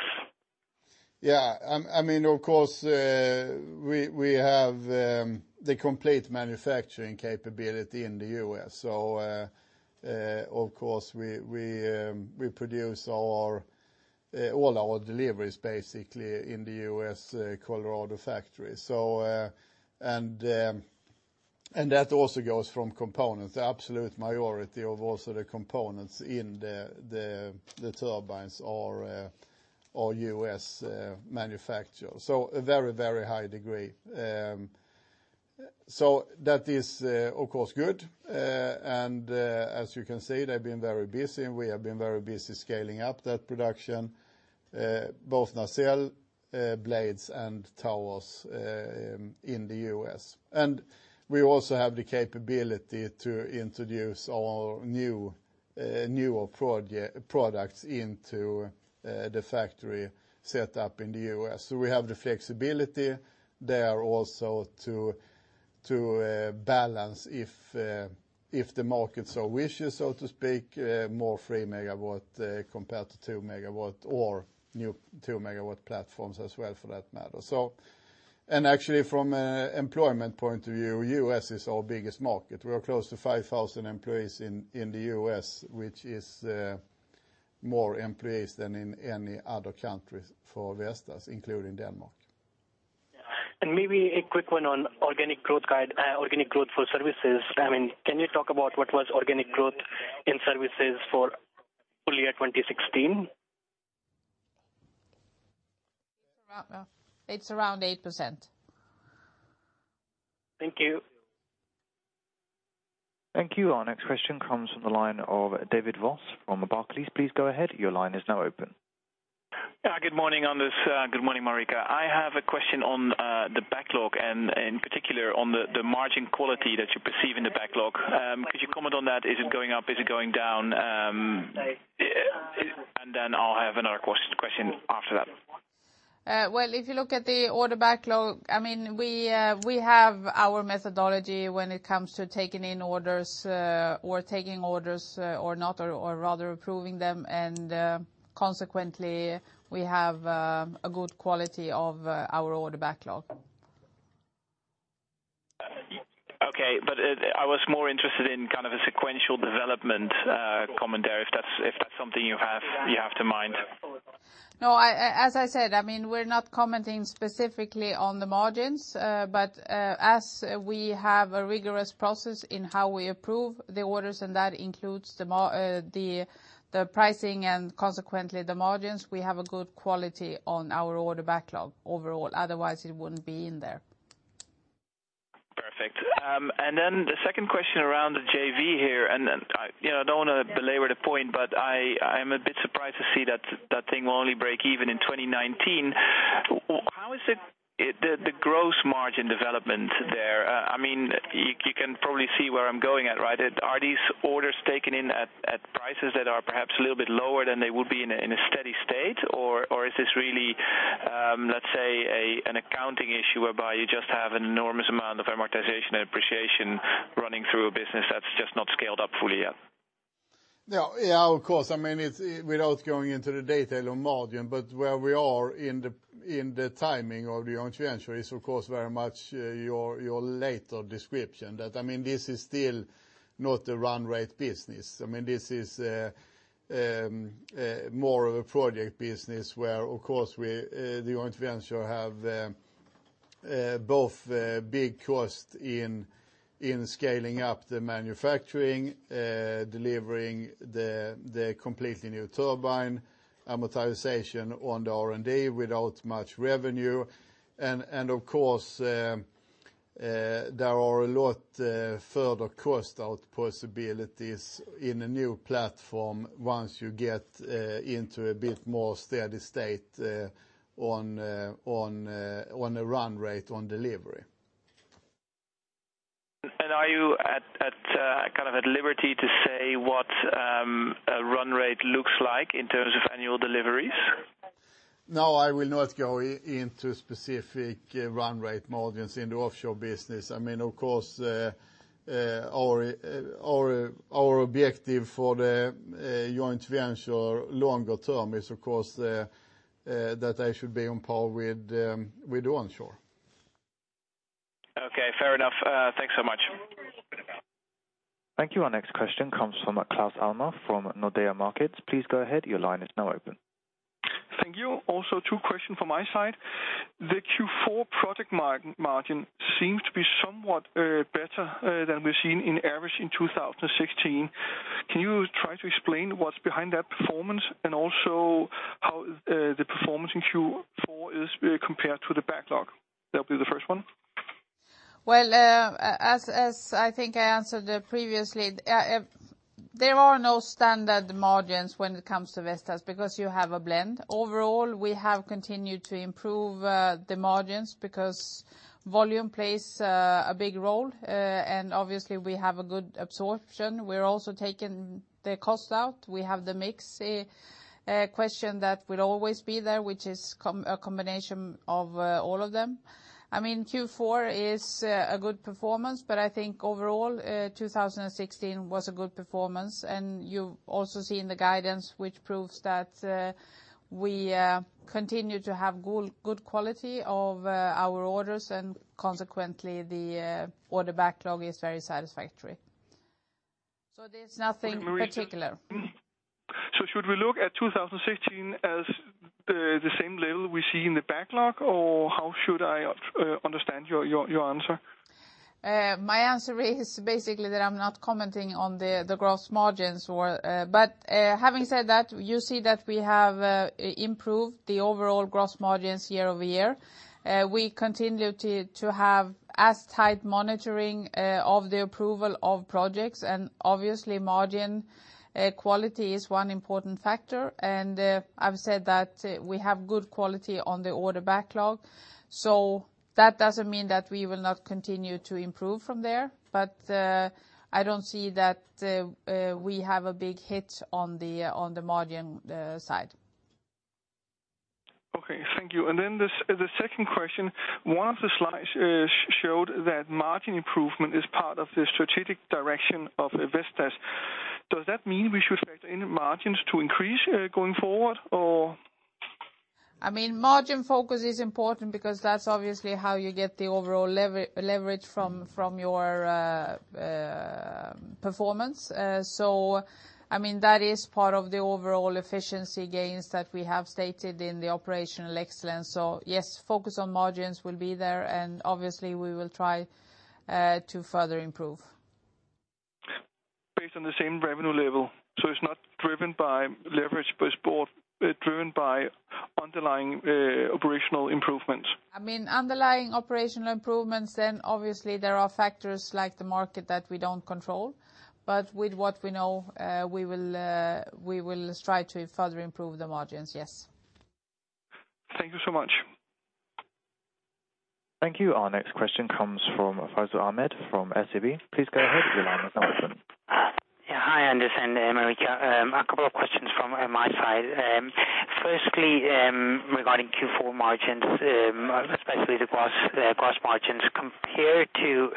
Yeah. Of course, we have the complete manufacturing capability in the U.S. Of course, we produce all our deliveries, basically in the U.S., Colorado factory. That also goes from components. The absolute majority of also the components in the turbines are U.S. manufacture. A very high degree. That is, of course, good. As you can see, they've been very busy, and we have been very busy scaling up that production, both nacelle, blades, and towers, in the U.S. We also have the capability to introduce our newer products into the factory set up in the U.S. We have the flexibility there also to balance if the markets are wishes, so to speak, more three megawatt, compared to two megawatt or new two megawatt platforms as well for that matter. Actually from employment point of view, U.S. is our biggest market. We are close to 5,000 employees in the U.S., which is more employees than in any other countries for Vestas, including Denmark. Yeah. Maybe a quick one on organic growth for services. Can you talk about what was organic growth in services for full year 2016? It's around 8%. Thank you. Thank you. Our next question comes from the line of David Vos from Barclays. Please go ahead. Your line is now open. Yeah. Good morning, Anders. Good morning, Marika. I have a question on the backlog, in particular, on the margin quality that you perceive in the backlog. Could you comment on that? Is it going up? Is it going down? I'll have another question after that. If you look at the order backlog, we have our methodology when it comes to taking in orders or taking orders or not, or rather approving them. Consequently, we have a good quality of our order backlog. I was more interested in kind of a sequential development commentary, if that's something you have to mind. As I said, we're not commenting specifically on the margins. As we have a rigorous process in how we approve the orders, and that includes the pricing and consequently the margins, we have a good quality on our order backlog overall. Otherwise, it wouldn't be in there. The second question around the JV here, I don't want to belabor the point, but I am a bit surprised to see that thing will only break even in 2019. How is the gross margin development there? You can probably see where I'm going at, right? Are these orders taken in at prices that are perhaps a little bit lower than they would be in a steady state? Or is this really, let's say, an accounting issue whereby you just have an enormous amount of amortization and depreciation running through a business that's just not scaled up fully yet? Yeah, of course. Without going into the detail of margin, where we are in the timing of the joint venture is of course very much your later description. This is still not a run rate business. This is more of a project business where, of course, the joint venture have both big cost in scaling up the manufacturing, delivering the completely new turbine amortization on the R&D without much revenue. Of course, there are a lot further cost out possibilities in a new platform once you get into a bit more steady state, on a run rate on delivery. Are you at kind of at liberty to say what a run rate looks like in terms of annual deliveries? No, I will not go into specific run rate margins in the offshore business. Of course, our objective for the joint venture longer term is of course, that they should be on par with the onshore. Okay, fair enough. Thanks so much. Thank you. Our next question comes from Claus Almer from Nordea Markets. Please go ahead. Your line is now open. Thank you. Two question from my side. The Q4 project margin seems to be somewhat better than we've seen in average in 2016. Can you try to explain what's behind that performance and also how the performance in Q4 is compared to the backlog? That'll be the first one. Well, as I think I answered previously, there are no standard margins when it comes to Vestas because you have a blend. Overall, we have continued to improve the margins because volume plays a big role, and obviously we have a good absorption. We're also taking the cost out. We have the mix question that will always be there, which is a combination of all of them. Q4 is a good performance, but I think overall, 2016 was a good performance. You've also seen the guidance, which proves that we continue to have good quality of our orders, and consequently, the order backlog is very satisfactory. There's nothing particular. Should we look at 2016 as the same level we see in the backlog? How should I understand your answer? My answer is basically that I'm not commenting on the gross margins. Having said that, you see that we have improved the overall gross margins year-over-year. We continue to have as tight monitoring of the approval of projects, and obviously margin quality is one important factor, and I've said that we have good quality on the order backlog. That doesn't mean that we will not continue to improve from there. I don't see that we have a big hit on the margin side. Okay. Thank you. The second question, one of the slides showed that margin improvement is part of the strategic direction of Vestas. Does that mean we should factor in margins to increase going forward or? Margin focus is important because that's obviously how you get the overall leverage from your performance. That is part of the overall efficiency gains that we have stated in the operational excellence. Yes, focus on margins will be there, and obviously we will try to further improve. Based on the same revenue level. It's not driven by leverage, but it's driven by underlying operational improvements. Obviously there are factors like the market that we don't control. With what we know, we will try to further improve the margins. Yes. Thank you so much. Thank you. Our next question comes from Faizul Alim from SEB. Please go ahead your line is now open. Hi, Anders and Marika. A couple of questions from my side. Firstly, regarding Q4 margins, especially the gross margins compared to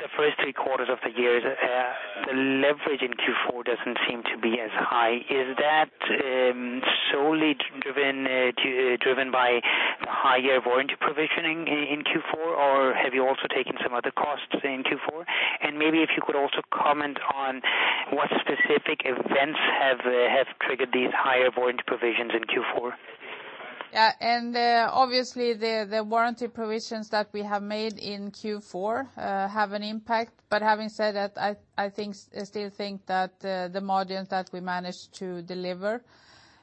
the first three quarters of the year, the leverage in Q4 doesn't seem to be as high. Is that solely driven by the higher warranty provisioning in Q4, or have you also taken some other costs in Q4? Maybe if you could also comment on what specific events have triggered these higher warranty provisions in Q4? Yeah. Obviously the warranty provisions that we have made in Q4, have an impact. Having said that, I still think that the margin that we managed to deliver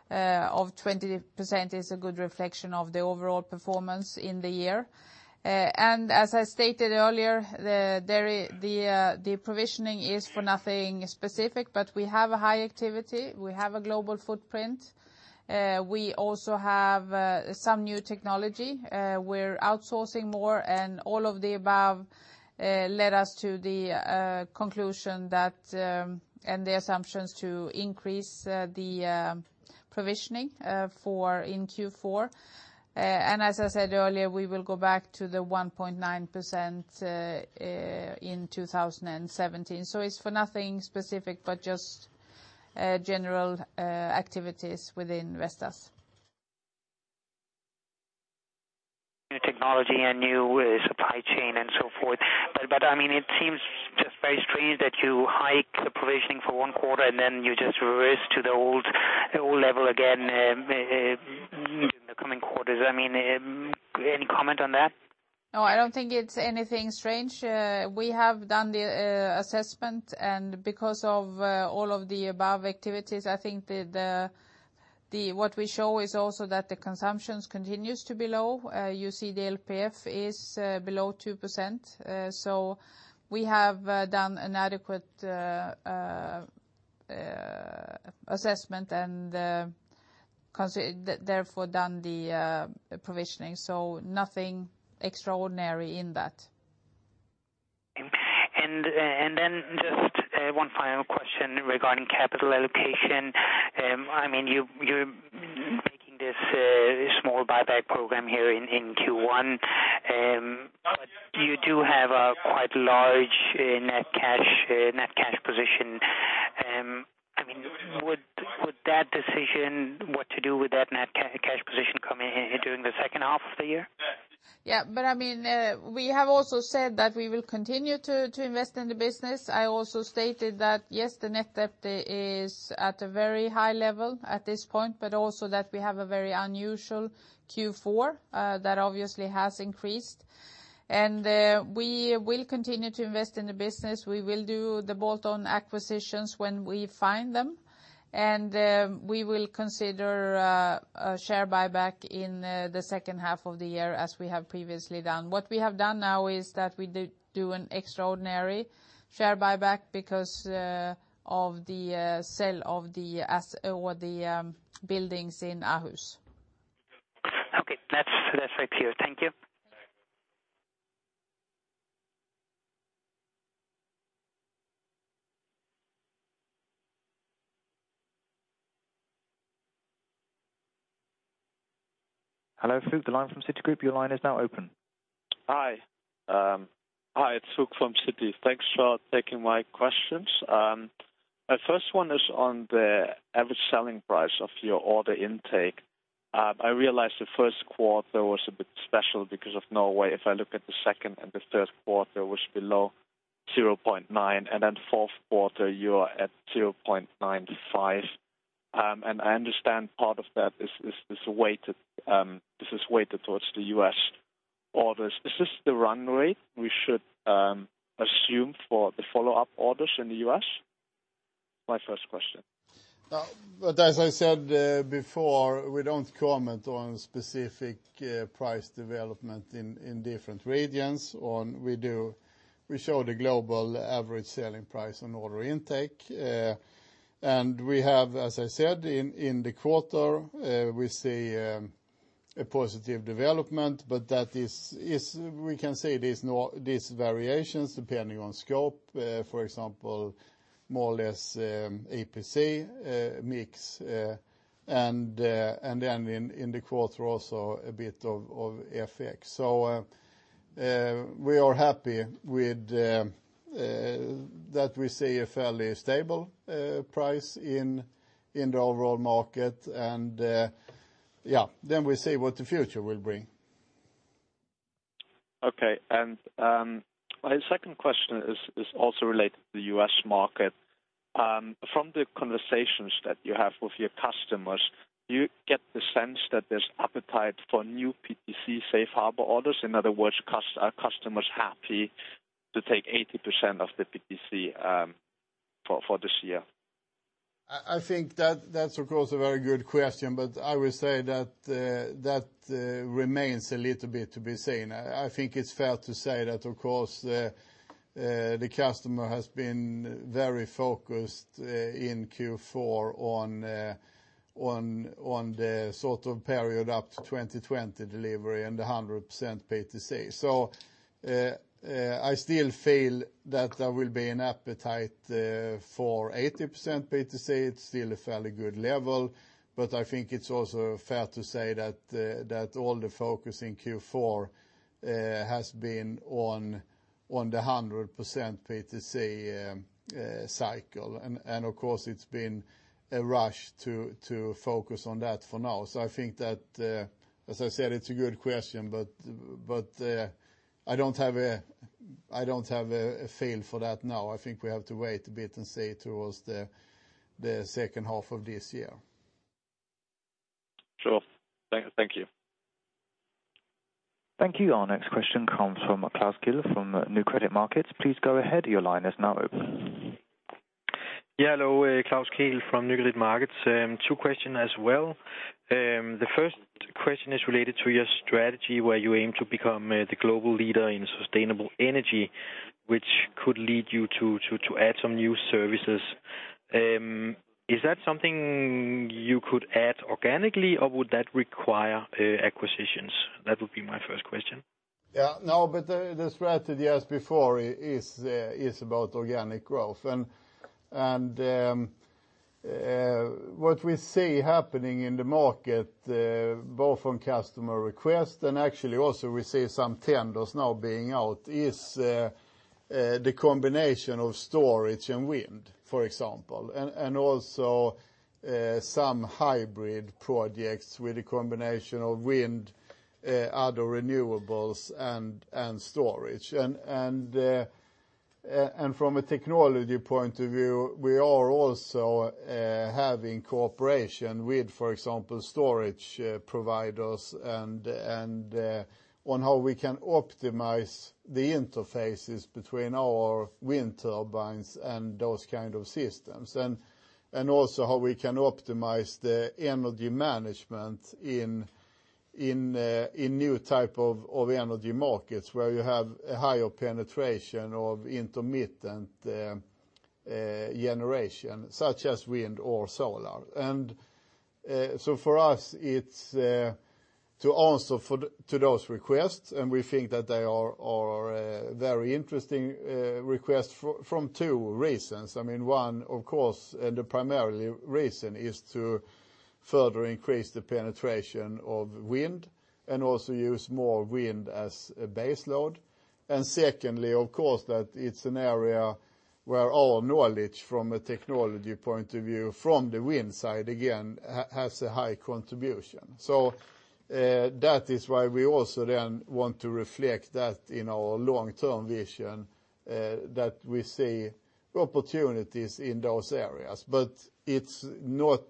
of 20% is a good reflection of the overall performance in the year. As I stated earlier, the provisioning is for nothing specific, but we have a high activity, we have a global footprint. We also have some new technology. We're outsourcing more, all of the above, led us to the conclusion that, and the assumptions to increase the provisioning in Q4. As I said earlier, we will go back to the 1.9% in 2017. It's for nothing specific, but just general activities within Vestas. New technology and new supply chain and so forth. It seems just very strange that you hike the provisioning for one quarter and then you just reverse to the old level again in the coming quarters. Any comment on that? No, I don't think it's anything strange. We have done the assessment because of all of the above activities, I think what we show is also that the consumptions continues to be low. You see the LPF is below 2%. We have done an adequate assessment and therefore done the provisioning. Nothing extraordinary in that. Then just one final question regarding capital allocation. You're making this small buyback program here in Q1. You do have a quite large net cash position. Would that decision, what to do with that net cash position come in during the second half of the year? Yeah. We have also said that we will continue to invest in the business. I also stated that yes, the net debt is at a very high level at this point, but also that we have a very unusual Q4, that obviously has increased. We will continue to invest in the business. We will do the bolt-on acquisitions when we find them, and we will consider a share buyback in the second half of the year, as we have previously done. What we have done now is that we do an extraordinary share buyback because of the sale of the buildings in Aarhus. Okay. That's clear. Thank you. Hello, Fug. The line from Citigroup, your line is now open. Hi. It's Fug from Citi. Thanks for taking my questions. My first one is on the average selling price of your order intake. I realize the first quarter was a bit special because of Norway. If I look at the second and the third quarter was below 0.9. Fourth quarter, you are at 0.95. I understand part of that, this is weighted towards the U.S. orders. Is this the run rate we should assume for the follow-up orders in the U.S.? My first question. As I said before, we don't comment on specific price development in different regions. We show the global average selling price on order intake. We have, as I said, in the quarter, we see a positive development, but we can see these variations depending on scope. For example, more or less, EPC, mix, in the quarter, also a bit of FX. We are happy that we see a fairly stable price in the overall market, we see what the future will bring. Okay. My second question is also related to the U.S. market. From the conversations that you have with your customers, do you get the sense that there's appetite for new PTC safe harbor orders? In other words, are customers happy to take 80% of the PTC for this year? I think that's, of course, a very good question, but I will say that remains a little bit to be seen. I think it's fair to say that, of course, the customer has been very focused in Q4 on the period up to 2020 delivery and 100% PTC. I still feel that there will be an appetite for 80% PTC. It's still a fairly good level, but I think it's also fair to say that all the focus in Q4 has been on the 100% PTC cycle. Of course, it's been a rush to focus on that for now. I think that, as I said, it's a good question, but I don't have a feel for that now. I think we have to wait a bit and see towards the second half of this year. Sure. Thank you. Thank you. Our next question comes from Klaus Kehl from Nykredit Markets. Please go ahead. Your line is now open. Hello, Klaus Kehl from Nykredit Markets. Two questions as well. The first question is related to your strategy, where you aim to become the global leader in sustainable energy, which could lead you to add some new services. Is that something you could add organically, or would that require acquisitions? That would be my first question. No, the strategy as before is about organic growth. What we see happening in the market, both from customer requests and actually also we see some tenders now being out, is the combination of storage and wind, for example, and also some hybrid projects with a combination of wind, other renewables, and storage. From a technology point of view, we are also having cooperation with, for example, storage providers and on how we can optimize the interfaces between our wind turbines and those kind of systems. Also how we can optimize the energy management in new type of energy markets where you have a higher penetration of intermittent generation, such as wind or solar. So for us, it's to answer to those requests, and we think that they are very interesting requests for two reasons. One, of course, the primary reason is to further increase the penetration of wind and also use more wind as a baseload. Secondly, of course, that it's an area where our knowledge from a technology point of view from the wind side, again, has a high contribution. That is why we also then want to reflect that in our long-term vision, that we see opportunities in those areas. It's not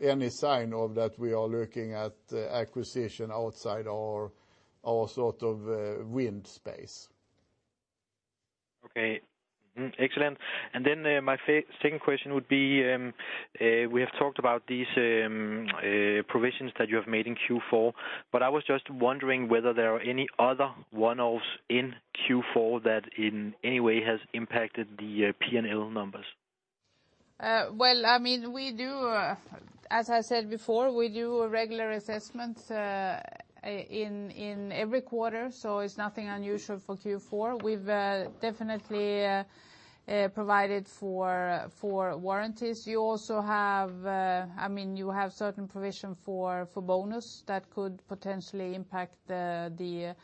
any sign of that we are looking at acquisitions outside our wind space. Okay. Excellent. My second question would be, we have talked about these provisions that you have made in Q4, I was just wondering whether there are any other one-offs in Q4 that in any way has impacted the P&L numbers. Well, as I said before, we do a regular assessment in every quarter, it's nothing unusual for Q4. We've definitely provided for warranties. You also have certain provision for bonus that could potentially impact the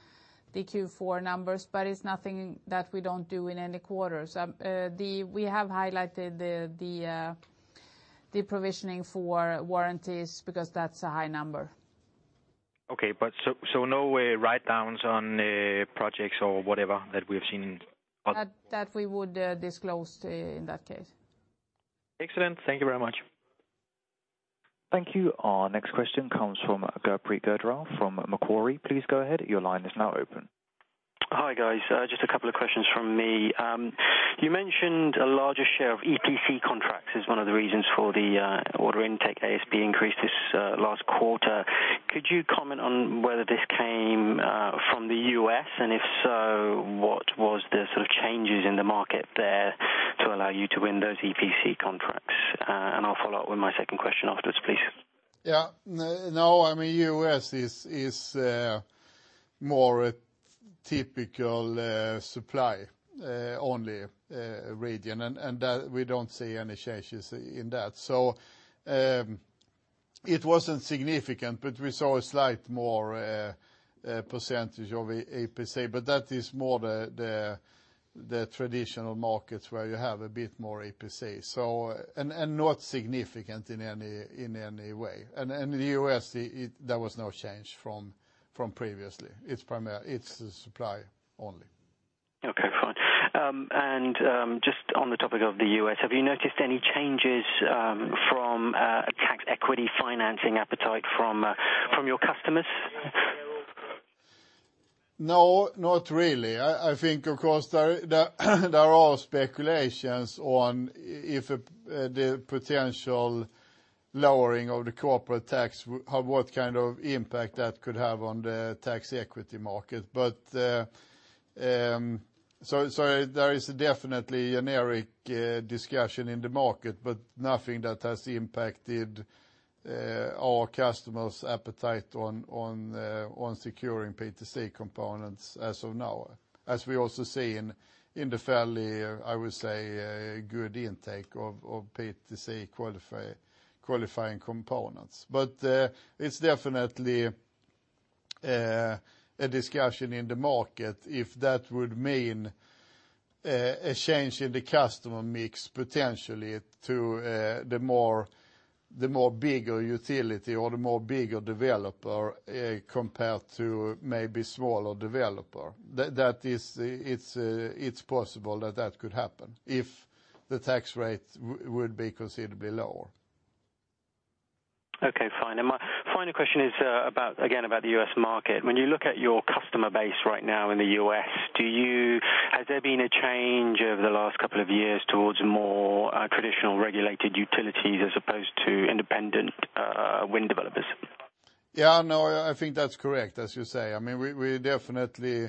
Q4 numbers, it's nothing that we don't do in any quarters. We have highlighted the provisioning for warranties because that's a high number. Okay. No write-downs on projects or whatever that we've seen? That we would disclose in that case. Excellent. Thank you very much. Thank you. Our next question comes from Gurpreet Sra from Macquarie. Please go ahead. Your line is now open. Hi, guys. Just two questions from me. You mentioned a larger share of EPC contracts is one of the reasons for the order intake ASP increase this last quarter. Could you comment on whether this came from the U.S.? If so, what was the sort of changes in the market there to allow you to win those EPC contracts? I'll follow up with my second question afterwards, please. Yeah. No, I mean, U.S. is more a typical supply-only region. We don't see any changes in that. It wasn't significant, we saw a slight more percentage of EPC, that is more the traditional markets where you have a bit more EPC. Not significant in any way. In the U.S., there was no change from previously. It's supply only. Okay, fine. Just on the topic of the U.S., have you noticed any changes from a tax equity financing appetite from your customers? No, not really. I think, of course, there are speculations on if the potential lowering of the corporate tax, what kind of impact that could have on the tax equity market. There is definitely an energetic discussion in the market, but nothing that has impacted our customers' appetite on securing PTC components as of now. As we also see in the fairly, I would say, good intake of PTC qualifying components. It's definitely a discussion in the market if that would mean a change in the customer mix potentially to the more bigger utility or the more bigger developer, compared to maybe smaller developer. It's possible that could happen if the tax rate would be considerably lower. Okay, fine. My final question is, again, about the U.S. market. When you look at your customer base right now in the U.S., has there been a change over the last couple of years towards more traditional regulated utilities as opposed to independent wind developers? Yeah, no, I think that's correct, as you say. I mean, we definitely,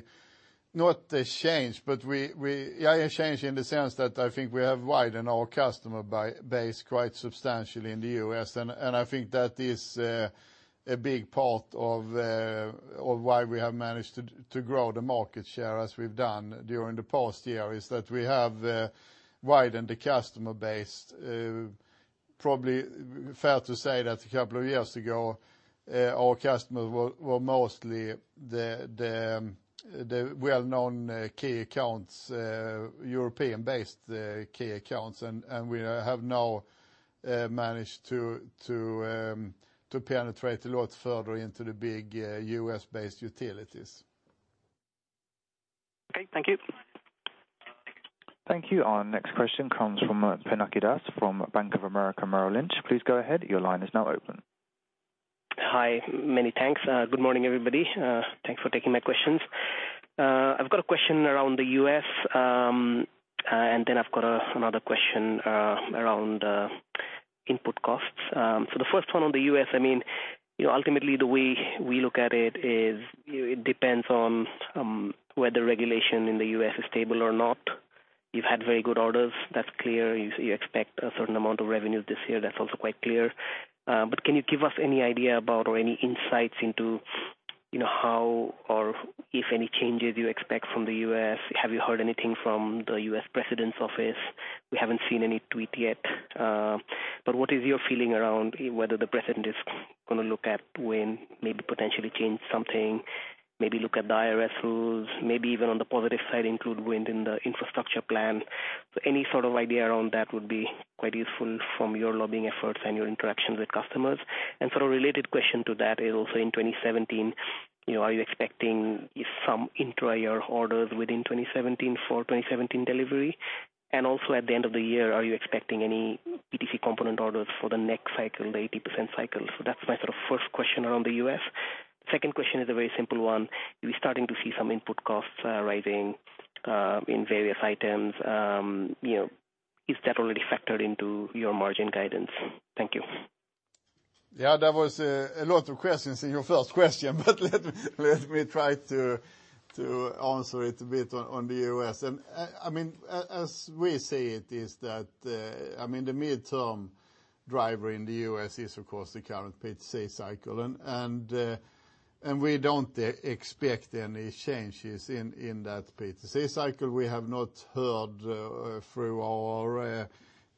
not a change, but a change in the sense that I think we have widened our customer base quite substantially in the U.S., and I think that is a big part of why we have managed to grow the market share as we've done during the past year, is that we have widened the customer base. Probably fair to say that a couple of years ago, our customers were mostly the well-known key accounts, European-based key accounts. We have now managed to penetrate a lot further into the big U.S.-based utilities. Okay, thank you. Thank you. Our next question comes from Pinaki Das from Bank of America Merrill Lynch. Please go ahead. Your line is now open. Hi. Many thanks. Good morning, everybody. Thanks for taking my questions. I've got a question around the U.S., then I've got another question around input costs. The first one on the U.S., ultimately the way we look at it is, it depends on whether regulation in the U.S. is stable or not. You've had very good orders, that's clear. You expect a certain amount of revenue this year, that's also quite clear. Can you give us any idea about, or any insights into, how or if any changes you expect from the U.S.? Have you heard anything from the U.S. President's office? We haven't seen any tweet yet. What is your feeling around whether the President is going to look at wind, maybe potentially change something? Maybe look at the IRS rules, maybe even on the positive side, include wind in the infrastructure plan. Any sort of idea around that would be quite useful from your lobbying efforts and your interactions with customers. A sort of related question to that is also in 2017, are you expecting some intra-year orders within 2017 for 2017 delivery? Also at the end of the year, are you expecting any PTC component orders for the next cycle, the 80% cycle? That's my sort of first question around the U.S. Second question is a very simple one. You're starting to see some input costs rising in various items. Is that already factored into your margin guidance? Thank you. Yeah, that was a lot of questions in your first question. Let me try to answer it a bit on the U.S. As we see it is that, the midterm driver in the U.S. is, of course, the current PTC cycle. We don't expect any changes in that PTC cycle. We have not heard through our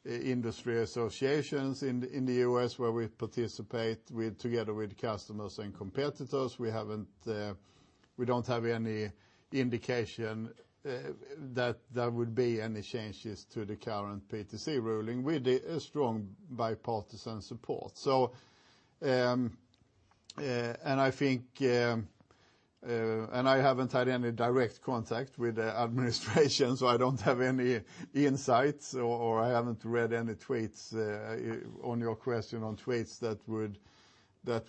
industry associations in the U.S., where we participate together with customers and competitors. We don't have any indication that there would be any changes to the current PTC ruling, with a strong bipartisan support. I haven't had any direct contact with the administration, so I don't have any insights, or I haven't read any tweets on your question on tweets that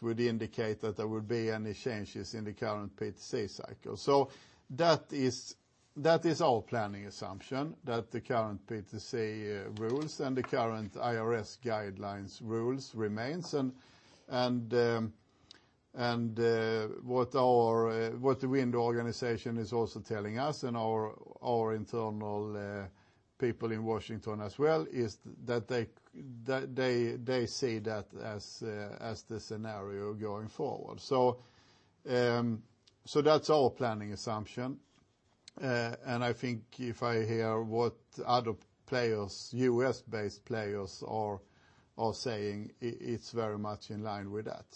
would indicate that there would be any changes in the current PTC cycle. That is our planning assumption, that the current PTC rules and the current IRS guidelines rules remains. What the wind organization is also telling us, and our internal people in Washington as well, is that they see that as the scenario going forward. That's our planning assumption, and I think if I hear what other U.S.-based players are saying, it's very much in line with that.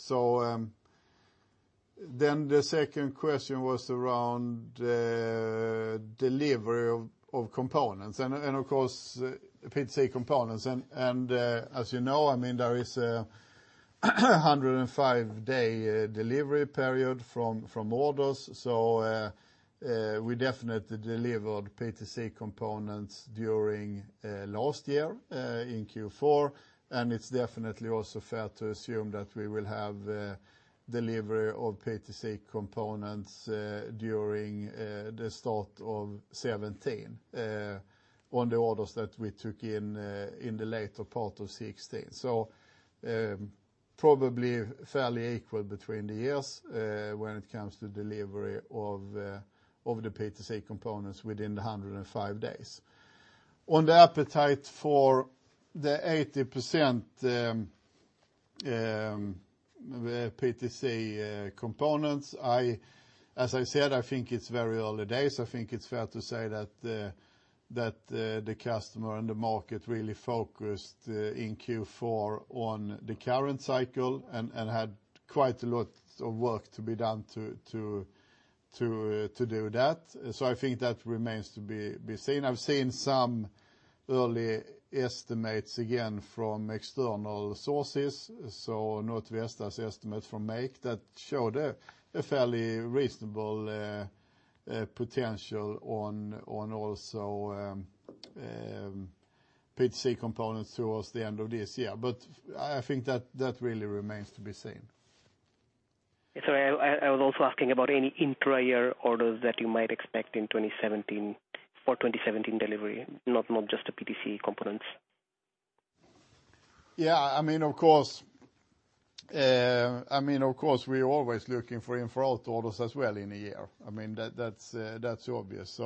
The second question was around delivery of components, of course, PTC components. As you know, there is 105-day delivery period from orders. We definitely delivered PTC components during last year in Q4, and it's definitely also fair to assume that we will have delivery of PTC components, during the start of 2017, on the orders that we took in the later part of 2016. Probably fairly equal between the years, when it comes to delivery of the PTC components within the 105 days. On the appetite for the 80% PTC components, as I said, I think it's very early days. I think it's fair to say that the customer and the market really focused in Q4 on the current cycle, had quite a lot of work to be done to do that. I think that remains to be seen. I've seen some early estimates, again, from external sources, so not Vestas estimates from MAKE that showed a fairly reasonable potential on also PTC components towards the end of this year. I think that really remains to be seen. Sorry, I was also asking about any intra-year orders that you might expect in 2017 for 2017 delivery, not just the PTC components. Of course, we're always looking for inflow orders as well in a year. That's obvious.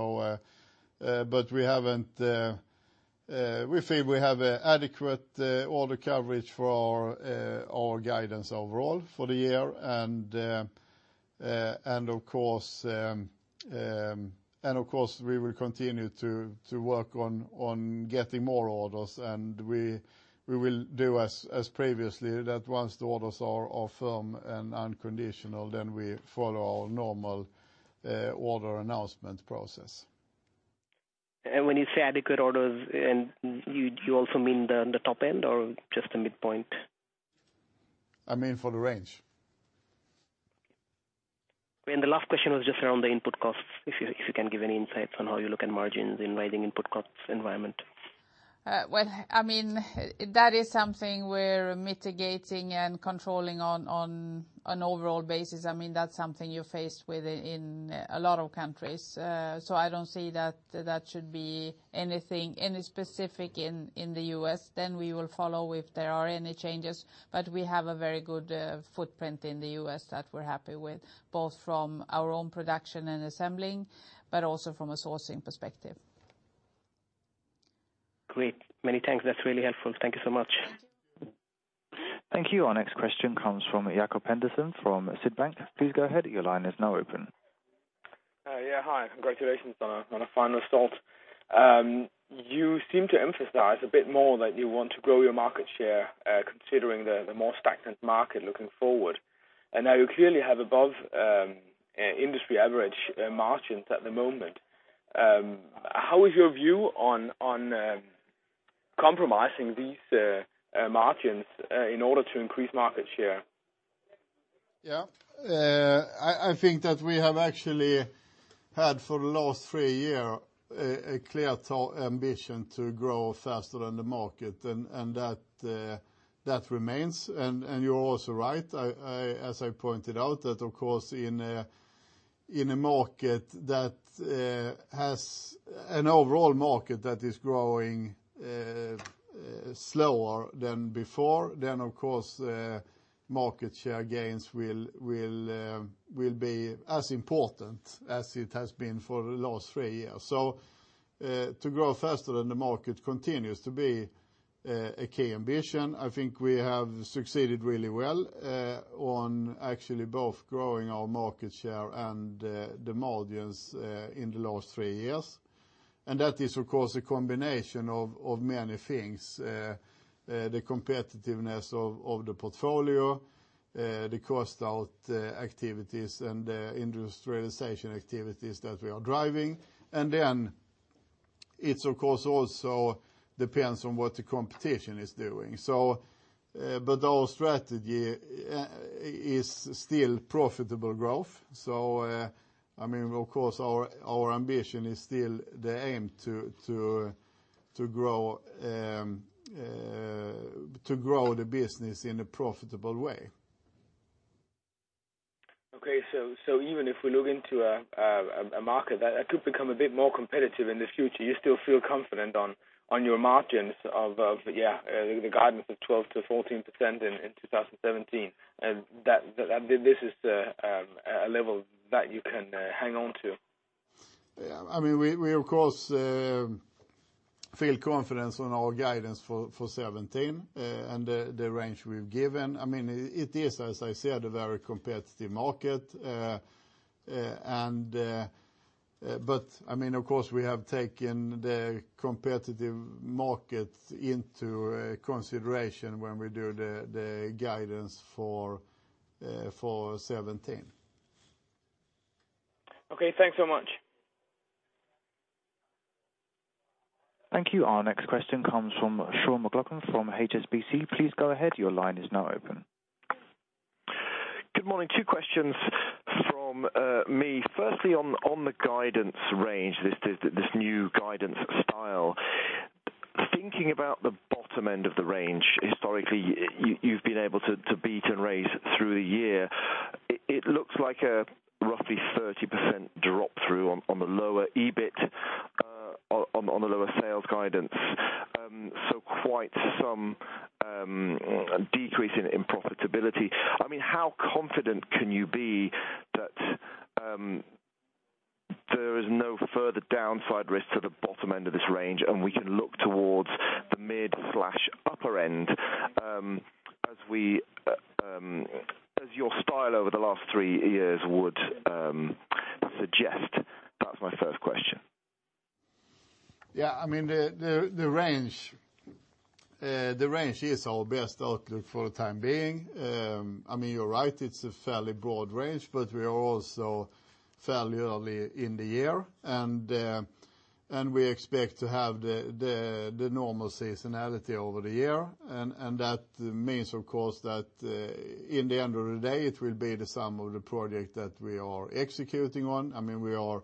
We feel we have adequate order coverage for our guidance overall for the year. Of course, we will continue to work on getting more orders, and we will do as previously, that once the orders are firm and unconditional, then we follow our normal order announcement process. When you say adequate orders, you also mean the top end or just the midpoint? I mean for the range. The last question was just around the input costs. If you can give any insights on how you look at margins in rising input costs environment. That is something we're mitigating and controlling on an overall basis. That's something you're faced with in a lot of countries. I don't see that should be anything specific in the U.S. We will follow if there are any changes. We have a very good footprint in the U.S. that we're happy with, both from our own production and assembling, but also from a sourcing perspective. Great. Many thanks. That's really helpful. Thank you so much. Thank you. Our next question comes from Jacob Pedersen from Sydbank. Please go ahead. Your line is now open. Hi. Congratulations on a fine result. You seem to emphasize a bit more that you want to grow your market share, considering the more stagnant market looking forward. Now you clearly have above industry average margins at the moment. How is your view on compromising these margins in order to increase market share? Yeah. I think that we have actually Had for the last three year, a clear ambition to grow faster than the market, and that remains. You're also right, as I pointed out, that of course in an overall market that is growing slower than before, then of course, market share gains will be as important as it has been for the last three years. To grow faster than the market continues to be a key ambition. I think we have succeeded really well on actually both growing our market share and the margins in the last three years. Then it of course also depends on what the competition is doing. Our strategy is still profitable growth. Of course, our ambition is still the aim to grow the business in a profitable way. Okay. Even if we look into a market that could become a bit more competitive in the future, you still feel confident on your margins of the guidance of 12%-14% in 2017. This is a level that you can hang on to? We, of course, feel confidence on our guidance for 2017, and the range we've given. It is, as I said, a very competitive market, of course we have taken the competitive market into consideration when we do the guidance for 2017. Okay. Thanks so much. Thank you. Our next question comes from Sean McLoughlin from HSBC. Please go ahead. Your line is now open. Good morning. Two questions from me. Firstly, on the guidance range, this new guidance style. Thinking about the bottom end of the range, historically, you've been able to beat and raise through the year. It looks like a roughly 30% drop through on the lower EBIT, on the lower sales guidance. Quite some decrease in profitability. How confident can you be that there is no further downside risk to the bottom end of this range, and we can look towards the mid/upper end as your style over the last three years would suggest? That's my first question. The range is our best outlook for the time being. You're right, it's a fairly broad range. We are also fairly early in the year. We expect to have the normal seasonality over the year. That means, of course, that in the end of the day, it will be the sum of the project that we are executing on. We are,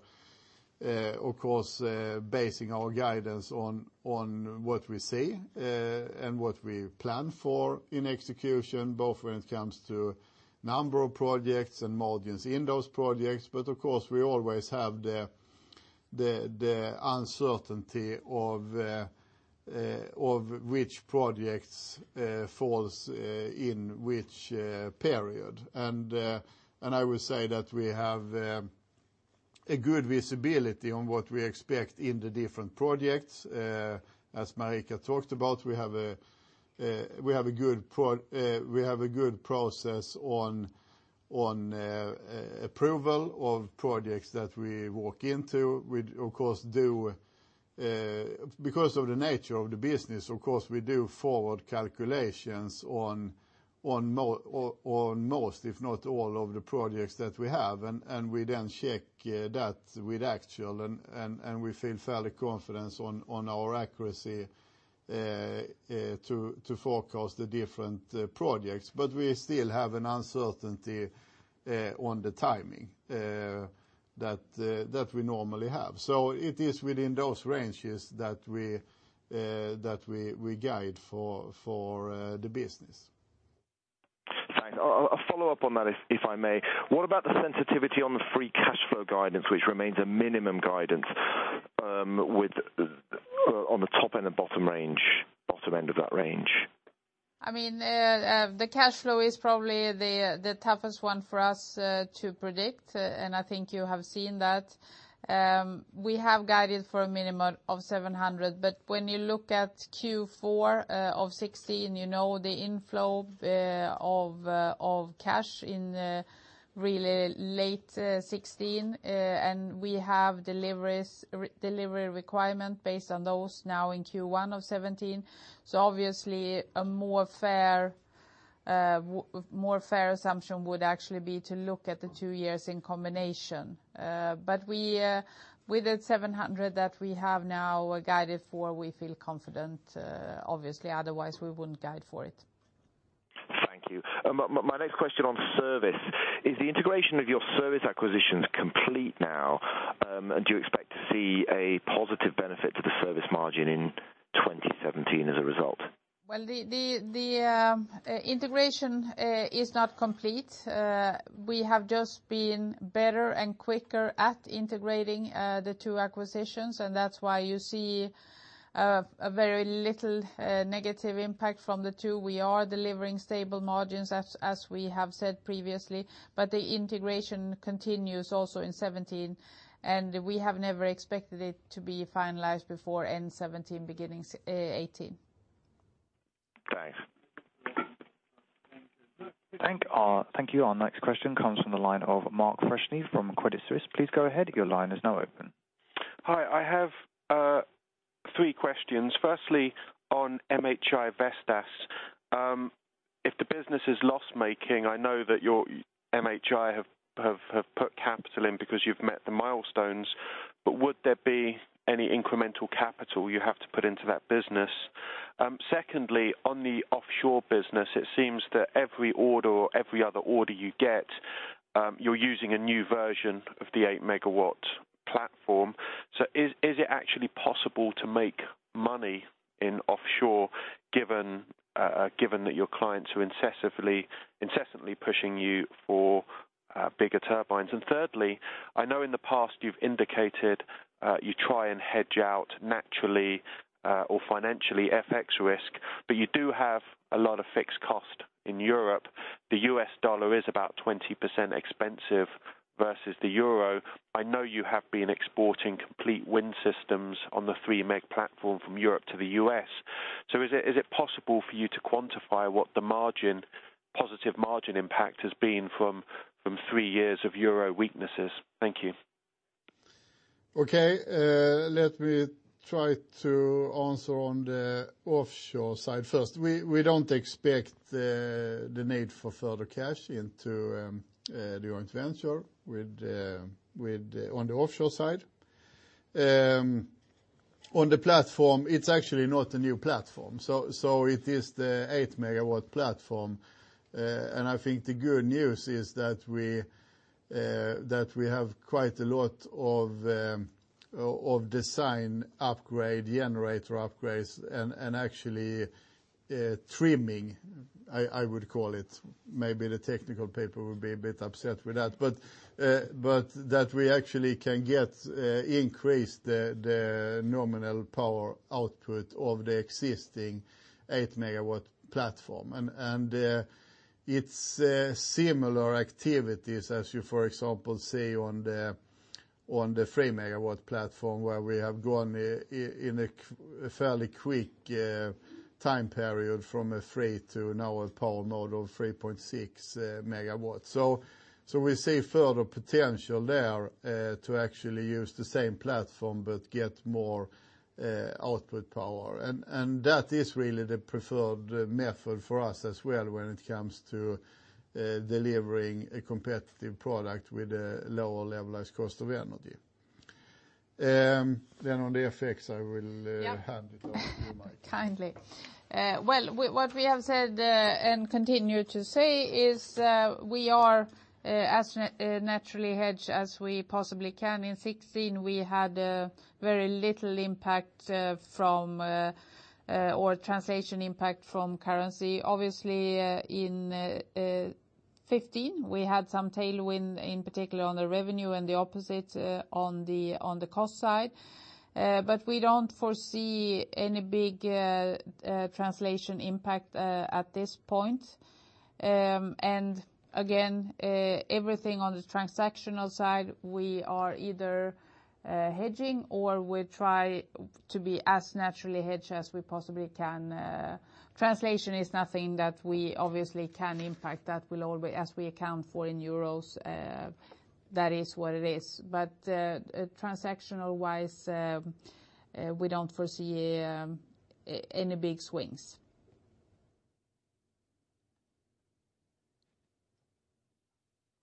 of course, basing our guidance on what we see, and what we plan for in execution, both when it comes to number of projects and margins in those projects. Of course, we always have the uncertainty of which projects falls in which period. I will say that we have a good visibility on what we expect in the different projects. As Marika talked about, we have a good process on approval of projects that we walk into. Because of the nature of the business, of course, we do forward calculations on most, if not all of the projects that we have. We then check that with actual, and we feel fairly confident on our accuracy to forecast the different projects. We still have an uncertainty on the timing that we normally have. It is within those ranges that we guide for the business. Thanks. I'll follow up on that, if I may. What about the sensitivity on the free cash flow guidance, which remains a minimum guidance on the top end and bottom end of that range? The cash flow is probably the toughest one for us to predict, and I think you have seen that. We have guided for a minimum of 700, when you look at Q4 of 2016, you know the inflow of cash in really late 2016, and we have delivery requirement based on those now in Q1 of 2017. Obviously a more fair assumption would actually be to look at the two years in combination. With that 700 that we have now guided for, we feel confident, obviously, otherwise we wouldn't guide for it. Thank you. My next question on service, is the integration of your service acquisitions complete now? Do you expect to see a positive benefit to the service margin in 2017 as a result? Well, the integration is not complete. We have just been better and quicker at integrating the two acquisitions, and that's why you see very little negative impact from the two. We are delivering stable margins, as we have said previously, but the integration continues also in 2017, and we have never expected it to be finalized before end 2017, beginning 2018. Thanks. Thank you. Our next question comes from the line of Mark Freshney from Credit Suisse. Please go ahead. Your line is now open. Hi. I have three questions. Firstly, on MHI Vestas. If the business is loss-making, I know that your MHI have put capital in because you've met the milestones, but would there be any incremental capital you have to put into that business? Secondly, on the offshore business, it seems that every order or every other order you get, you're using a new version of the eight MW platform. Is it actually possible to make money in offshore, given that your clients are incessantly pushing you for bigger turbines? Thirdly, I know in the past you've indicated, you try and hedge out naturally or financially FX risk, but you do have a lot of fixed cost in Europe. The U.S. dollar is about 20% expensive versus the EUR. I know you have been exporting complete wind systems on the three MW platform from Europe to the U.S. Is it possible for you to quantify what the positive margin impact has been from three years of EUR weaknesses? Thank you. Okay. Let me try to answer on the offshore side first. We don't expect the need for further cash into the joint venture on the offshore side. On the platform, it's actually not a new platform. It is the eight megawatt platform. I think the good news is that we have quite a lot of design upgrade, generator upgrades, and actually trimming, I would call it. Maybe the technical people would be a bit upset with that, but that we actually can increase the nominal power output of the existing eight megawatt platform. It's similar activities as you, for example, see on the three megawatt platform, where we have gone in a fairly quick time period from a three to now a power mode of 3.6 megawatts. We see further potential there to actually use the same platform but get more output power. That is really the preferred method for us as well when it comes to delivering a competitive product with a lower levelized cost of energy. On the FX, I will hand it over to you, Marika. Kindly. Well, what we have said and continue to say is we are as naturally hedged as we possibly can. In 2016, we had very little impact or translation impact from currency. Obviously in 2015, we had some tailwind, in particular on the revenue and the opposite on the cost side. We don't foresee any big translation impact at this point. Again, everything on the transactional side, we are either hedging or we try to be as naturally hedged as we possibly can. Translation is nothing that we obviously can impact. As we account for it in EUR, that is what it is. Transactional-wise, we don't foresee any big swings.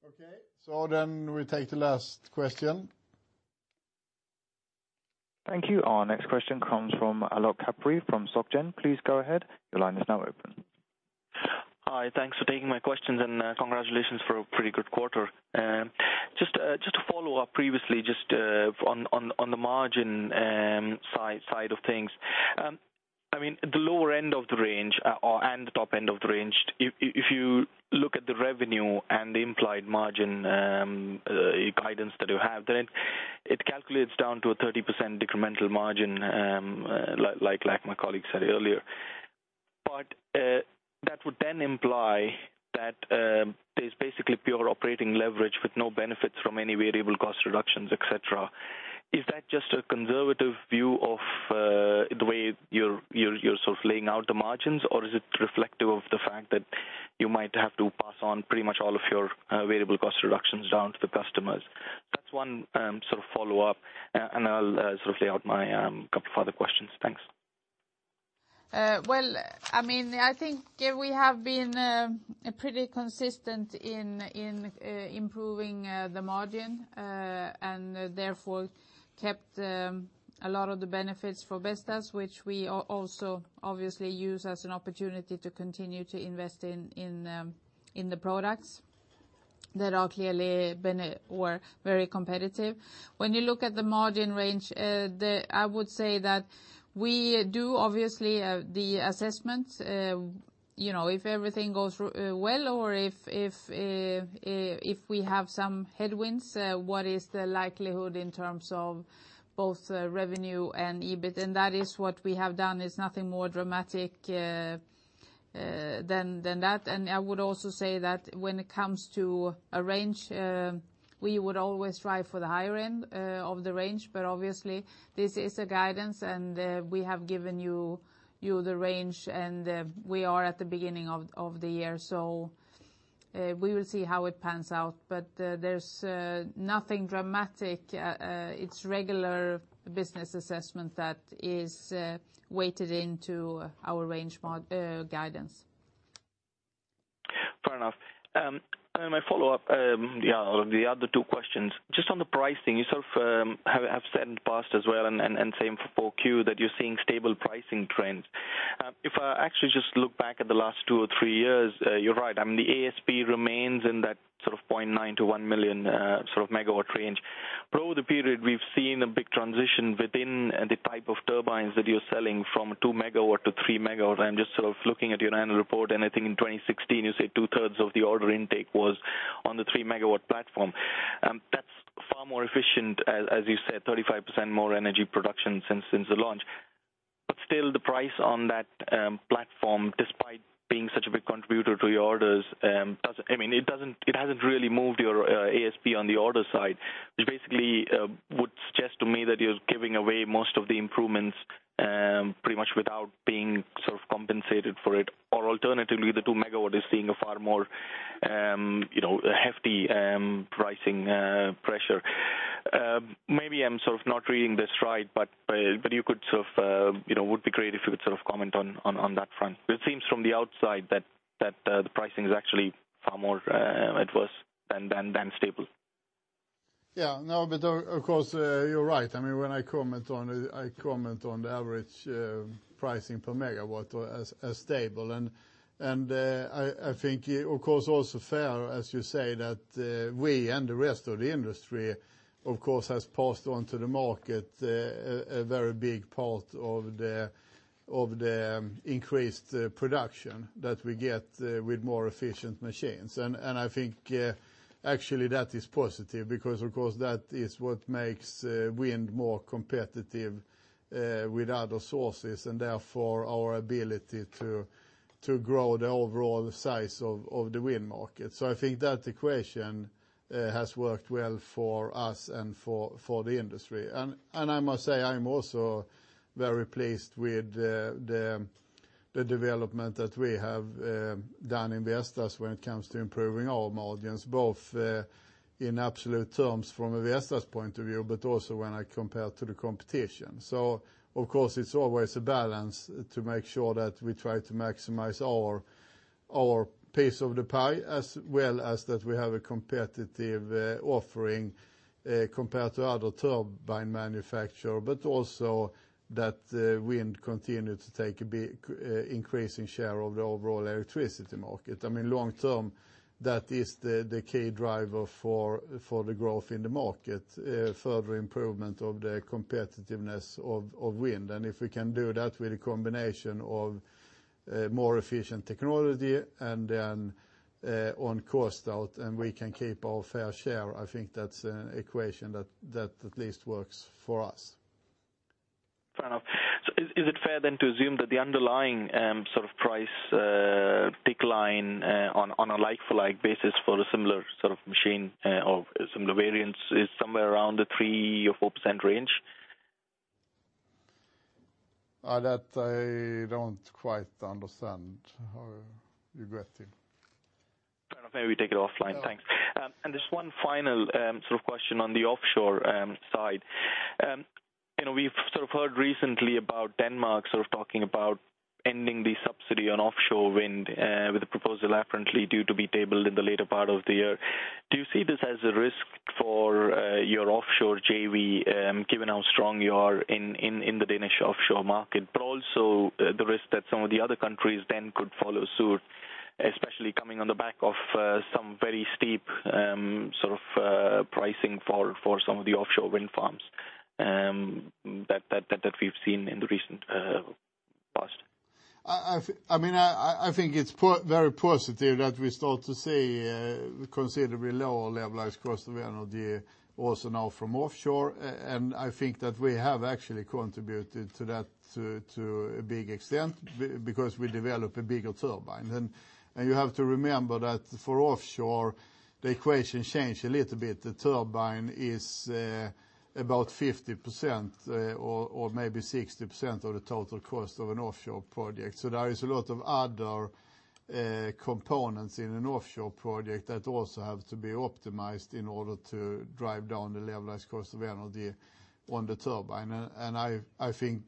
Okay, we'll take the last question. Thank you. Our next question comes from Alok Kapur from Société Générale. Please go ahead. Your line is now open. Hi, thanks for taking my questions. Congratulations for a pretty good quarter. Just to follow up previously, just on the margin side of things. The lower end of the range and the top end of the range, if you look at the revenue and the implied margin guidance that you have, then it calculates down to a 30% incremental margin, like my colleague said earlier. That would then imply that there's basically pure operating leverage with no benefits from any variable cost reductions, et cetera. Is that just a conservative view of the way you're sort of laying out the margins, or is it reflective of the fact that you might have to pass on pretty much all of your variable cost reductions down to the customers? That's one sort of follow-up, and I'll sort of lay out my couple of other questions. Thanks. Well, I think we have been pretty consistent in improving the margin, therefore kept a lot of the benefits for Vestas, which we also obviously use as an opportunity to continue to invest in the products. That are clearly very competitive. When you look at the margin range, I would say that we do, obviously, the assessments, if everything goes well or if we have some headwinds, what is the likelihood in terms of both revenue and EBIT? That is what we have done, is nothing more dramatic than that. I would also say that when it comes to a range, we would always strive for the higher end of the range, but obviously this is a guidance, and we have given you the range and we are at the beginning of the year. We will see how it pans out. There's nothing dramatic. It's regular business assessment that is weighted into our range guidance. Fair enough. My follow-up, the other two questions. Just on the pricing, you have said in the past as well, and same for 4Q, that you're seeing stable pricing trends. If I actually just look back at the last two or three years, you're right, the ASP remains in that sort of 0.9 to 1 million megawatt range. Over the period, we've seen a big transition within the type of turbines that you're selling from 2 megawatt to 3 megawatt. I'm just looking at your annual report, and I think in 2016, you say two-thirds of the order intake was on the 3-megawatt platform. That's far more efficient, as you said, 35% more energy production since the launch. Still, the price on that platform, despite being such a big contributor to your orders, it hasn't really moved your ASP on the order side, which basically would suggest to me that you're giving away most of the improvements pretty much without being compensated for it. Or alternatively, the 2 megawatt is seeing a far more hefty pricing pressure. Maybe I'm not reading this right. It would be great if you could comment on that front. It seems from the outside that the pricing is actually far more adverse than stable. No, of course, you're right. When I comment on the average pricing per megawatt as stable, and I think, of course, also fair, as you say, that we and the rest of the industry, of course, has passed on to the market a very big part of the increased production that we get with more efficient machines. I think, actually, that is positive because, of course, that is what makes wind more competitive with other sources, and therefore our ability to grow the overall size of the wind market. I think that equation has worked well for us and for the industry. I must say, I'm also very pleased with the development that we have done in Vestas when it comes to improving our margins, both in absolute terms from a Vestas point of view, but also when I compare to the competition. Of course, it's always a balance to make sure that we try to maximize our piece of the pie, as well as that we have a competitive offering compared to other turbine manufacturer, but also that wind continue to take a big increasing share of the overall electricity market. Long term, that is the key driver for the growth in the market, further improvement of the competitiveness of wind. If we can do that with a combination of more efficient technology and then on cost out, and we can keep our fair share, I think that's an equation that at least works for us. Fair enough. Is it fair then to assume that the underlying price decline on a like-for-like basis for a similar sort of machine of similar variants is somewhere around the 3%-4% range? That I don't quite understand you getting. Maybe we take it offline. Thanks. Yeah. Just one final sort of question on the offshore side. We've sort of heard recently about Denmark sort of talking about ending the subsidy on offshore wind with a proposal apparently due to be tabled in the later part of the year. Do you see this as a risk for your offshore JV, given how strong you are in the Danish offshore market? Also the risk that some of the other countries then could follow suit, especially coming on the back of some very steep pricing for some of the offshore wind farms that we've seen in the recent past. I think it's very positive that we start to see considerably lower levelized cost of energy also now from offshore. I think that we have actually contributed to that to a big extent because we develop a bigger turbine. You have to remember that for offshore, the equation changed a little bit. The turbine is about 50% or maybe 60% of the total cost of an offshore project. There is a lot of other components in an offshore project that also have to be optimized in order to drive down the levelized cost of energy on the turbine. I think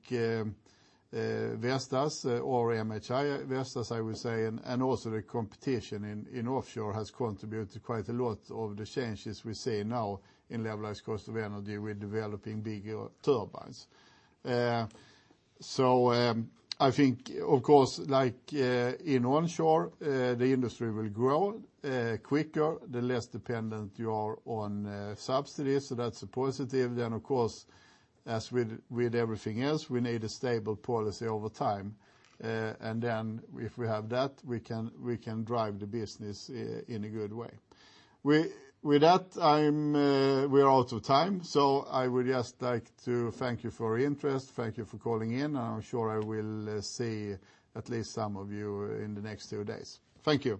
Vestas or MHI Vestas, I would say, and also the competition in offshore has contributed quite a lot of the changes we see now in levelized cost of energy with developing bigger turbines. I think, of course, like in onshore, the industry will grow quicker the less dependent you are on subsidies, so that's a positive. Of course, as with everything else, we need a stable policy over time. If we have that, we can drive the business in a good way. With that, we're out of time, so I would just like to thank you for your interest. Thank you for calling in, and I'm sure I will see at least some of you in the next two days. Thank you.